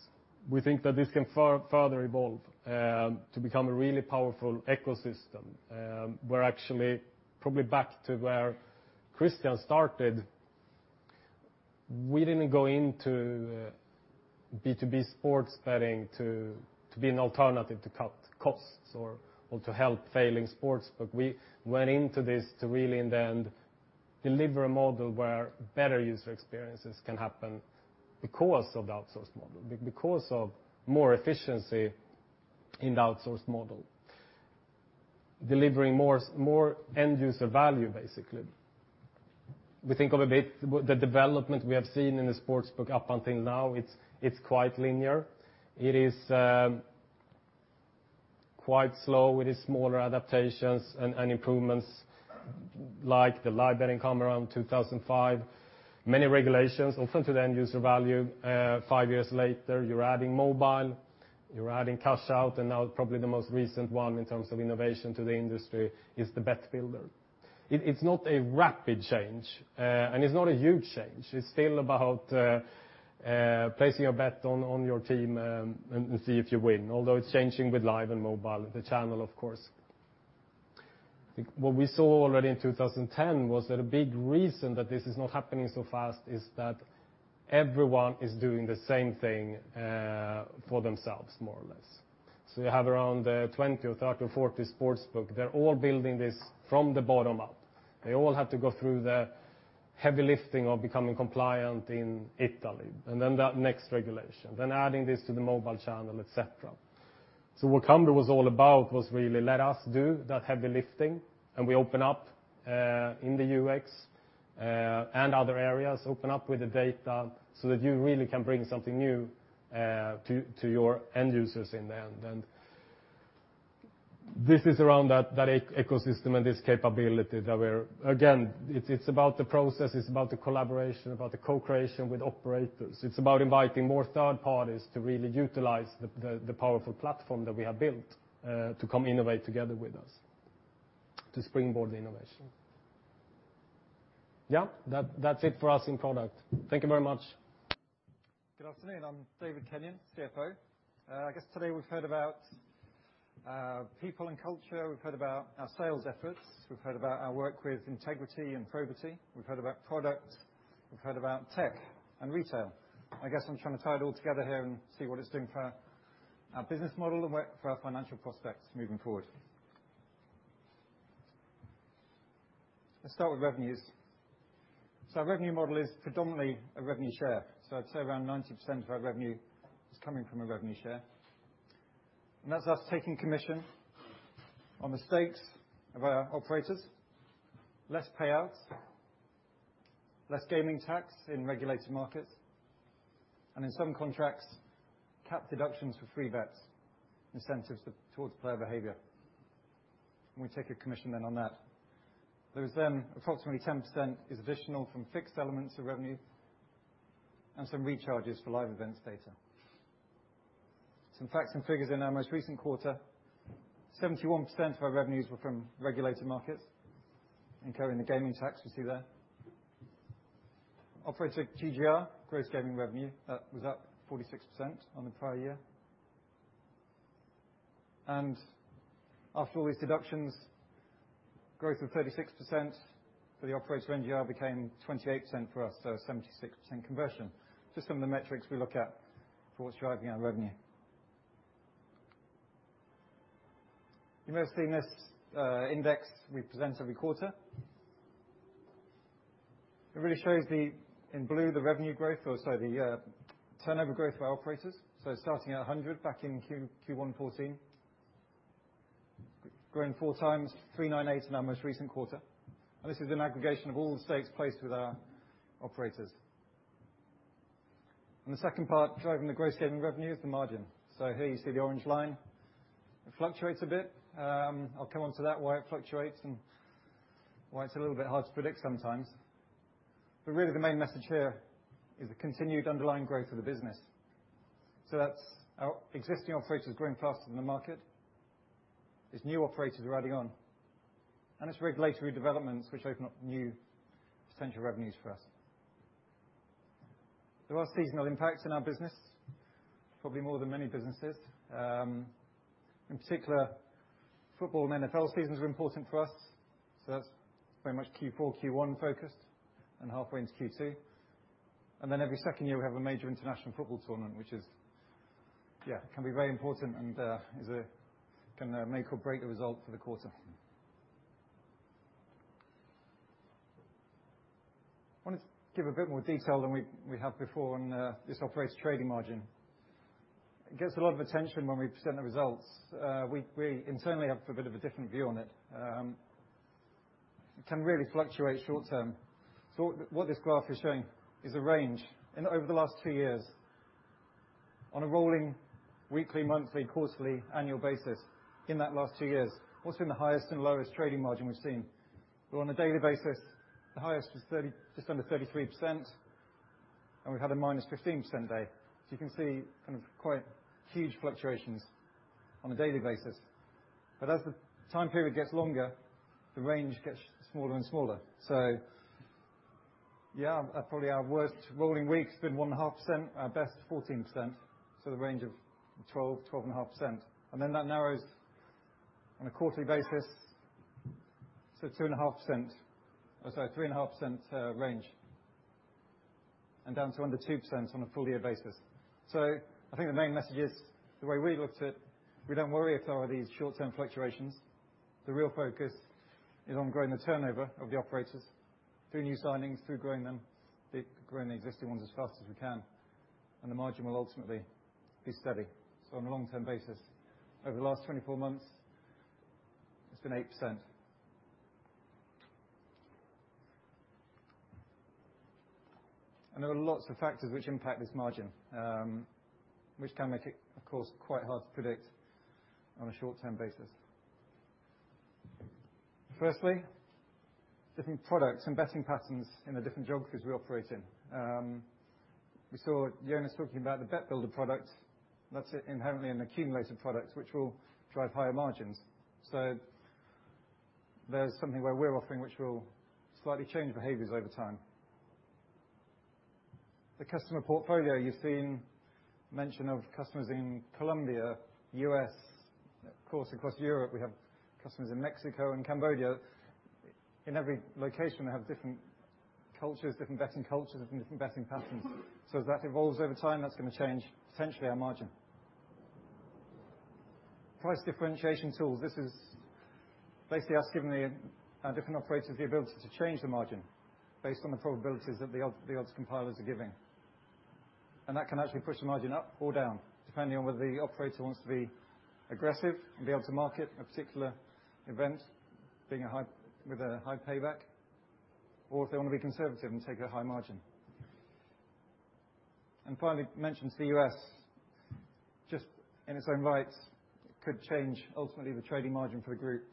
We think that this can further evolve to become a really powerful ecosystem. We're actually probably back to where Kristian started. We didn't go into B2B sports betting to be an alternative to cut costs or to help failing sportsbook. We went into this to really, in the end, deliver a model where better user experiences can happen because of the outsourced model, because of more efficiency in the outsourced model. Delivering more end-user value, basically. We think of a bit, the development we have seen in the sportsbook up until now, it's quite linear. It is quite slow. It is smaller adaptations and improvements like the live betting come around 2005. Many regulations open to the end user value. Five years later, you're adding mobile, you're adding cash out, and now probably the most recent one in terms of innovation to the industry is the Bet Builder. It's not a rapid change, and it's not a huge change. It's still about placing a bet on your team and see if you win, although it's changing with live and mobile, the channel, of course. What we saw already in 2010 was that a big reason that this is not happening so fast is that everyone is doing the same thing for themselves, more or less. You have around 20 or 30 or 40 sportsbook. They're all building this from the bottom up. They all have to go through the heavy lifting of becoming compliant in Italy, and then that next regulation, then adding this to the mobile channel, et cetera. What Kambi was all about was really let us do that heavy lifting, and we open up in the UX, and other areas, open up with the data so that you really can bring something new to your end users in the end. This is around that ecosystem and this capability that. Again, it's about the process, it's about the collaboration, about the co-creation with operators. It's about inviting more third parties to really utilize the powerful platform that we have built to come innovate together with us to springboard the innovation. Yeah, that's it for us in product. Thank you very much. Good afternoon. I'm David Kenyon, CFO. I guess today we've heard about people and culture, we've heard about our sales efforts, we've heard about our work with integrity and probity, we've heard about product, we've heard about tech and retail. I guess I'm trying to tie it all together here and see what it's doing for our business model and for our financial prospects moving forward. Let's start with revenues. Our revenue model is predominantly a revenue share. I'd say around 90% of our revenue is coming from a revenue share, and that's us taking commission on the stakes of our operators, less payouts, less gaming tax in regulated markets, and in some contracts, capped deductions for free bets, incentives towards player behavior. We take a commission then on that. There is then approximately 10% is additional from fixed elements of revenue and some recharges for live events data. Some facts and figures in our most recent quarter, 71% of our revenues were from regulated markets incurring the gaming tax you see there. Operator GGR, gross gaming revenue, was up 46% on the prior year. After all these deductions, growth of 36% for the operator, NGR became 28% for us, so 76% conversion. Just some of the metrics we look at for what's driving our revenue. You may have seen this index we present every quarter. It really shows in blue the revenue growth, or sorry, the turnover growth of our operators. Starting at 100 back in Q1 2014, growing four times to 398 in our most recent quarter. This is an aggregation of all the stakes placed with our operators. The second part driving the gross gaming revenue is the margin. Here you see the orange line. It fluctuates a bit. I'll come on to that, why it fluctuates and why it's a little bit hard to predict sometimes. Really the main message here is the continued underlying growth of the business. That's our existing operators growing faster than the market. There's new operators are adding on. It's regulatory developments which open up new potential revenues for us. There are seasonal impacts in our business, probably more than many businesses. In particular, football and NFL seasons are important for us. That's very much Q4, Q1 focused and halfway into Q2. Then every second year, we have a major international football tournament, can be very important and can make or break the result for the quarter. I wanted to give a bit more detail than we have before on this operator's trading margin. It gets a lot of attention when we present the results. We internally have a bit of a different view on it. It can really fluctuate short term. What this graph is showing is a range over the last two years on a rolling weekly, monthly, quarterly, annual basis in that last two years. What's been the highest and lowest trading margin we've seen? Well, on a daily basis, the highest was just under 33%, and we've had a minus 15% day. You can see kind of quite huge fluctuations on a daily basis. As the time period gets longer, the range gets smaller and smaller. Yeah, probably our worst rolling week's been 1.5%, our best 14%, so the range of 12%-12.5%. That narrows on a quarterly basis, 2.5%, or 3.5% range, and down to under 2% on a full year basis. I think the main message is the way we looked at, we don't worry at all these short-term fluctuations. The real focus is on growing the turnover of the operators through new signings, through growing them, growing the existing ones as fast as we can, and the margin will ultimately be steady. On a long-term basis, over the last 24 months, it's been 8%. There are lots of factors which impact this margin, which can make it, of course, quite hard to predict on a short-term basis. Firstly, different products and betting patterns in the different geographies we operate in. We saw Jonas talking about the Bet Builder product. That's inherently an accumulated product, which will drive higher margins. There's something where we're offering, which will slightly change behaviors over time. The customer portfolio, you've seen mention of customers in Colombia, U.S., of course, across Europe, we have customers in Mexico and Cambodia. In every location, they have different cultures, different betting cultures, and different betting patterns. As that evolves over time, that's going to change essentially our margin. Price differentiation tools. This is basically us giving our different operators the ability to change the margin based on the probabilities that the odds compilers are giving. That can actually push the margin up or down, depending on whether the operator wants to be aggressive and be able to market a particular event with a high payback, or if they want to be conservative and take a high margin. Finally, mention to the U.S., just in its own right, could change ultimately the trading margin for the group.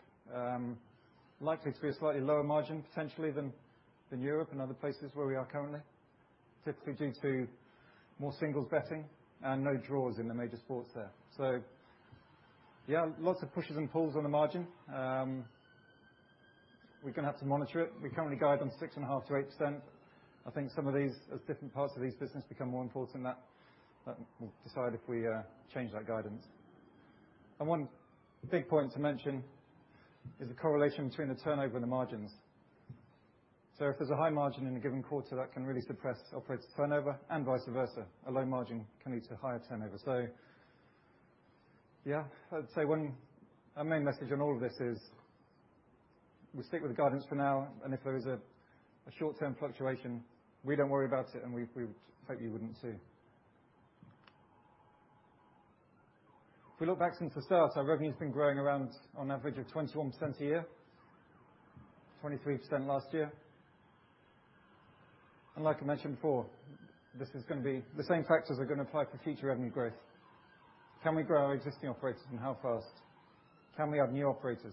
Likely to be a slightly lower margin, potentially than Europe and other places where we are currently. Typically due to more singles betting and no draws in the major sports there. Yeah, lots of pushes and pulls on the margin. We're going to have to monitor it. We currently guide on 6.5%-8%. I think some of these, as different parts of this business become more important in that, we'll decide if we change that guidance. One big point to mention is the correlation between the turnover and the margins. If there's a high margin in a given quarter, that can really suppress operator turnover, and vice versa. A low margin can lead to higher turnover. Yeah, I'd say our main message on all of this is we stick with the guidance for now, and if there is a short-term fluctuation, we don't worry about it and we hope you wouldn't too. If we look back since the start, our revenue's been growing around on average of 21% a year, 23% last year. Like I mentioned before, the same factors are going to apply for future revenue growth. Can we grow our existing operators and how fast? Can we have new operators?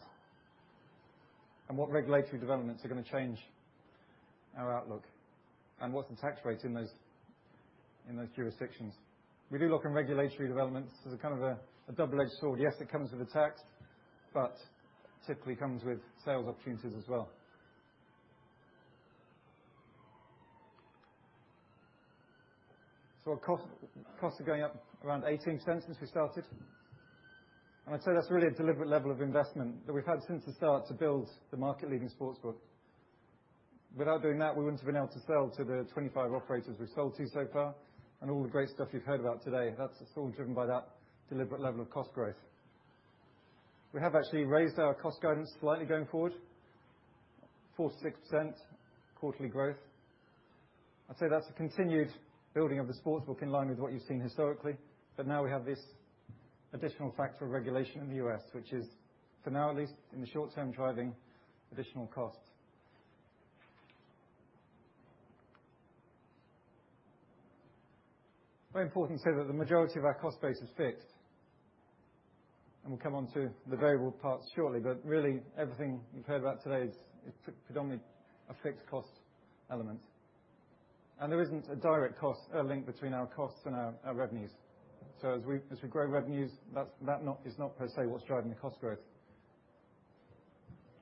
What regulatory developments are going to change our outlook? What's the tax rates in those jurisdictions? We do look on regulatory developments as a kind of a double-edged sword. Yes, it comes with a tax, but typically comes with sales opportunities as well. Our costs are going up around 18% since we started. I'd say that's really a deliberate level of investment that we've had since the start to build the market-leading sportsbook. Without doing that, we wouldn't have been able to sell to the 25 operators we've sold to so far, all the great stuff you've heard about today, that's all driven by that deliberate level of cost growth. We have actually raised our cost guidance slightly going forward, 46% quarterly growth. I'd say that's a continued building of the sportsbook in line with what you've seen historically. Now we have this additional factor of regulation in the U.S., which is, for now at least in the short term, driving additional costs. Very important to say that the majority of our cost base is fixed, we'll come onto the variable parts shortly, but really everything you've heard about today is predominantly a fixed cost element. There isn't a direct cost link between our costs and our revenues. As we grow revenues, that is not per se what's driving the cost growth.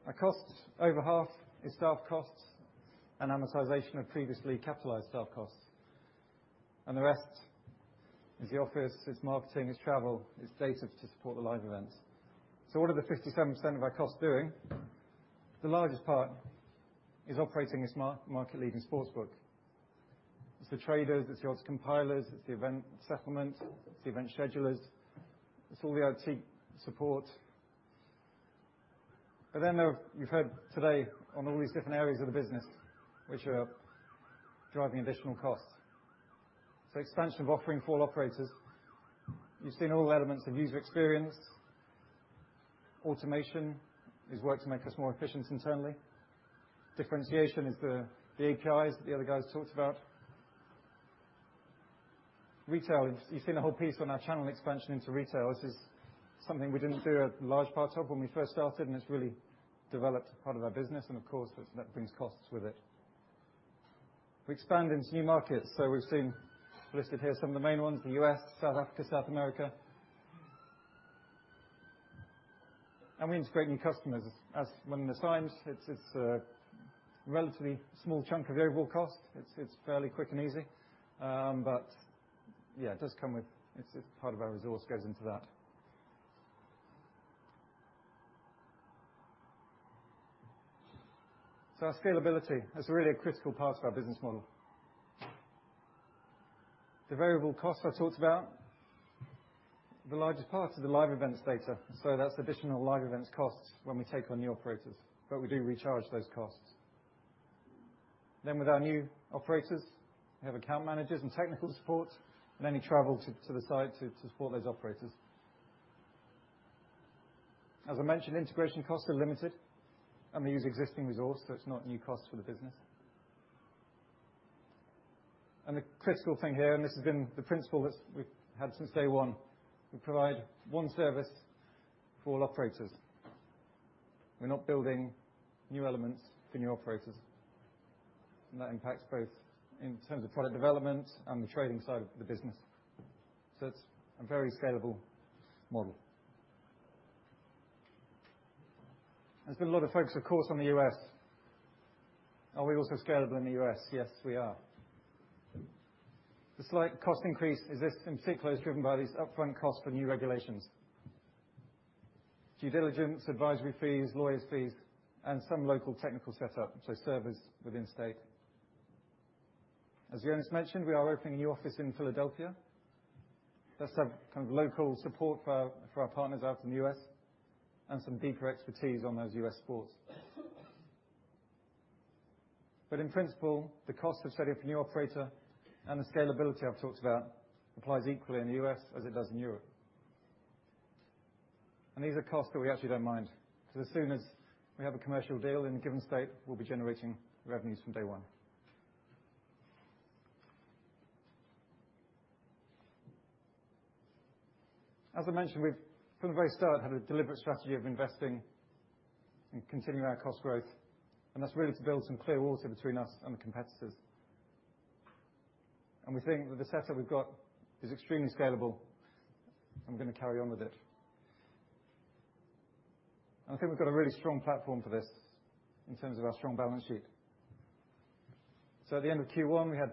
Our cost over half is staff costs and amortization of previously capitalized staff costs. The rest is the office, it's marketing, it's travel, it's data to support the live events. What are the 57% of our costs doing? The largest part is operating a market-leading sportsbook. It's the traders, it's the odds compilers, it's the event settlement, it's the event schedulers, it's all the IT support. You've heard today on all these different areas of the business which are driving additional costs. Expansion of offering for all operators. You've seen all the elements of user experience. Automation is work to make us more efficient internally. Differentiation is the APIs that the other guys talked about. Retail, you've seen a whole piece on our channel expansion into retail. This is something we didn't do a large part of when we first started, it's really developed a part of our business and of course, that brings costs with it. We expand into new markets. We've seen listed here some of the main ones, the U.S., South Africa, South America. We integrate new customers. As when you're signed, it's a relatively small chunk of variable cost. It's fairly quick and easy. Yeah, part of our resource goes into that. Our scalability is really a critical part of our business model. The variable costs I talked about, the largest part is the live events data. That's additional live events costs when we take on new operators. We do recharge those costs. With our new operators, we have account managers and technical support and any travel to the site to support those operators. As I mentioned, integration costs are limited and we use existing resource, so it's not new costs for the business. The critical thing here, and this has been the principle that we've had since day one, we provide one service for all operators. We're not building new elements for new operators. That impacts both in terms of product development and the trading side of the business. It's a very scalable model. There's been a lot of focus, of course, on the U.S. Are we also scalable in the U.S.? Yes, we are. The slight cost increase in particular is driven by these upfront costs for new regulations. Due diligence, advisory fees, lawyers' fees, some local technical setup, so servers within state. Jonas mentioned, we are opening a new office in Philadelphia. That's our kind of local support for our partners out in the U.S. and some deeper expertise on those U.S. sports. But in principle, the cost of setting up a new operator and the scalability I've talked about applies equally in the U.S. as it does in Europe. These are costs that we actually don't mind because as soon as we have a commercial deal in a given state, we'll be generating revenues from day one. I mentioned, we've from the very start had a deliberate strategy of investing and continuing our cost growth and that's really to build some clear water between us and the competitors. We think that the setup we've got is extremely scalable and we're going to carry on with it. We've got a really strong platform for this in terms of our strong balance sheet. At the end of Q1 we had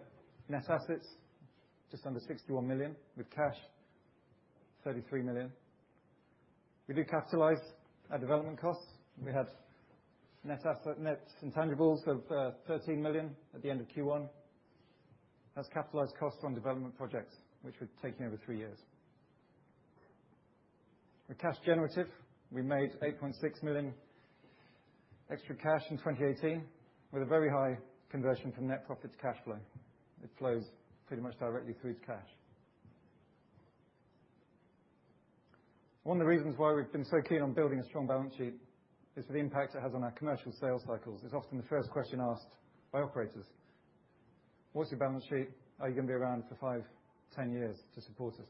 net assets just under 61 million with cash 33 million. We do capitalize our development costs. We had net intangibles of 13 million at the end of Q1. That's capitalized costs from development projects which we've taken over three years. We're cash generative. We made 8.6 million extra cash in 2018 with a very high conversion from net profit to cash flow. It flows pretty much directly through to cash. One of the reasons why we've been so keen on building a strong balance sheet is for the impact it has on our commercial sales cycles. It's often the first question asked by operators. What's your balance sheet? Are you going to be around for five, 10 years to support us?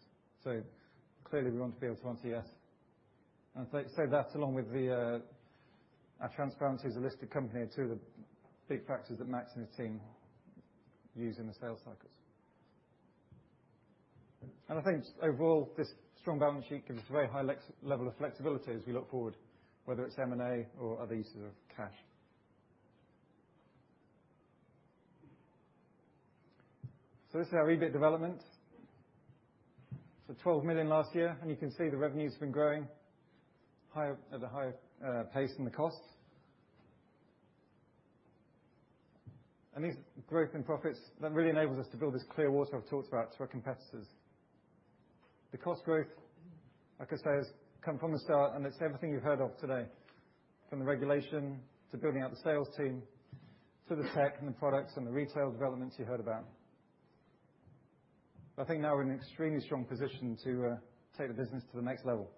Clearly we want to be able to answer yes. That along with our transparency as a listed company are two of the big factors that Max and his team use in the sales cycles. I think overall this strong balance sheet gives us a very high level of flexibility as we look forward, whether it's M&A or other uses of cash. This is our EBIT development. 12 million last year and you can see the revenues been growing at a higher pace than the costs. These growth and profits, that really enables us to build this clear water I've talked about to our competitors. The cost growth, like I say, has come from the start and it's everything you've heard of today, from the regulation to building out the sales team to the tech and the products and the retail developments you heard about. I think now we're in an extremely strong position to take the business to the next level.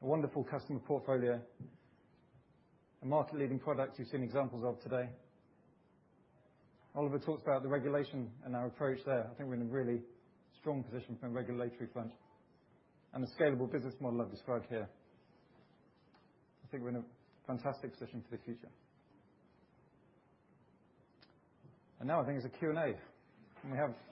A wonderful customer portfolio, a market leading product you've seen examples of today. Oliver talked about the regulation and our approach there. I think we're in a really strong position from a regulatory point and the scalable business model I've described here. I think we're in a fantastic position for the future. Now I think it's a Q&A and we have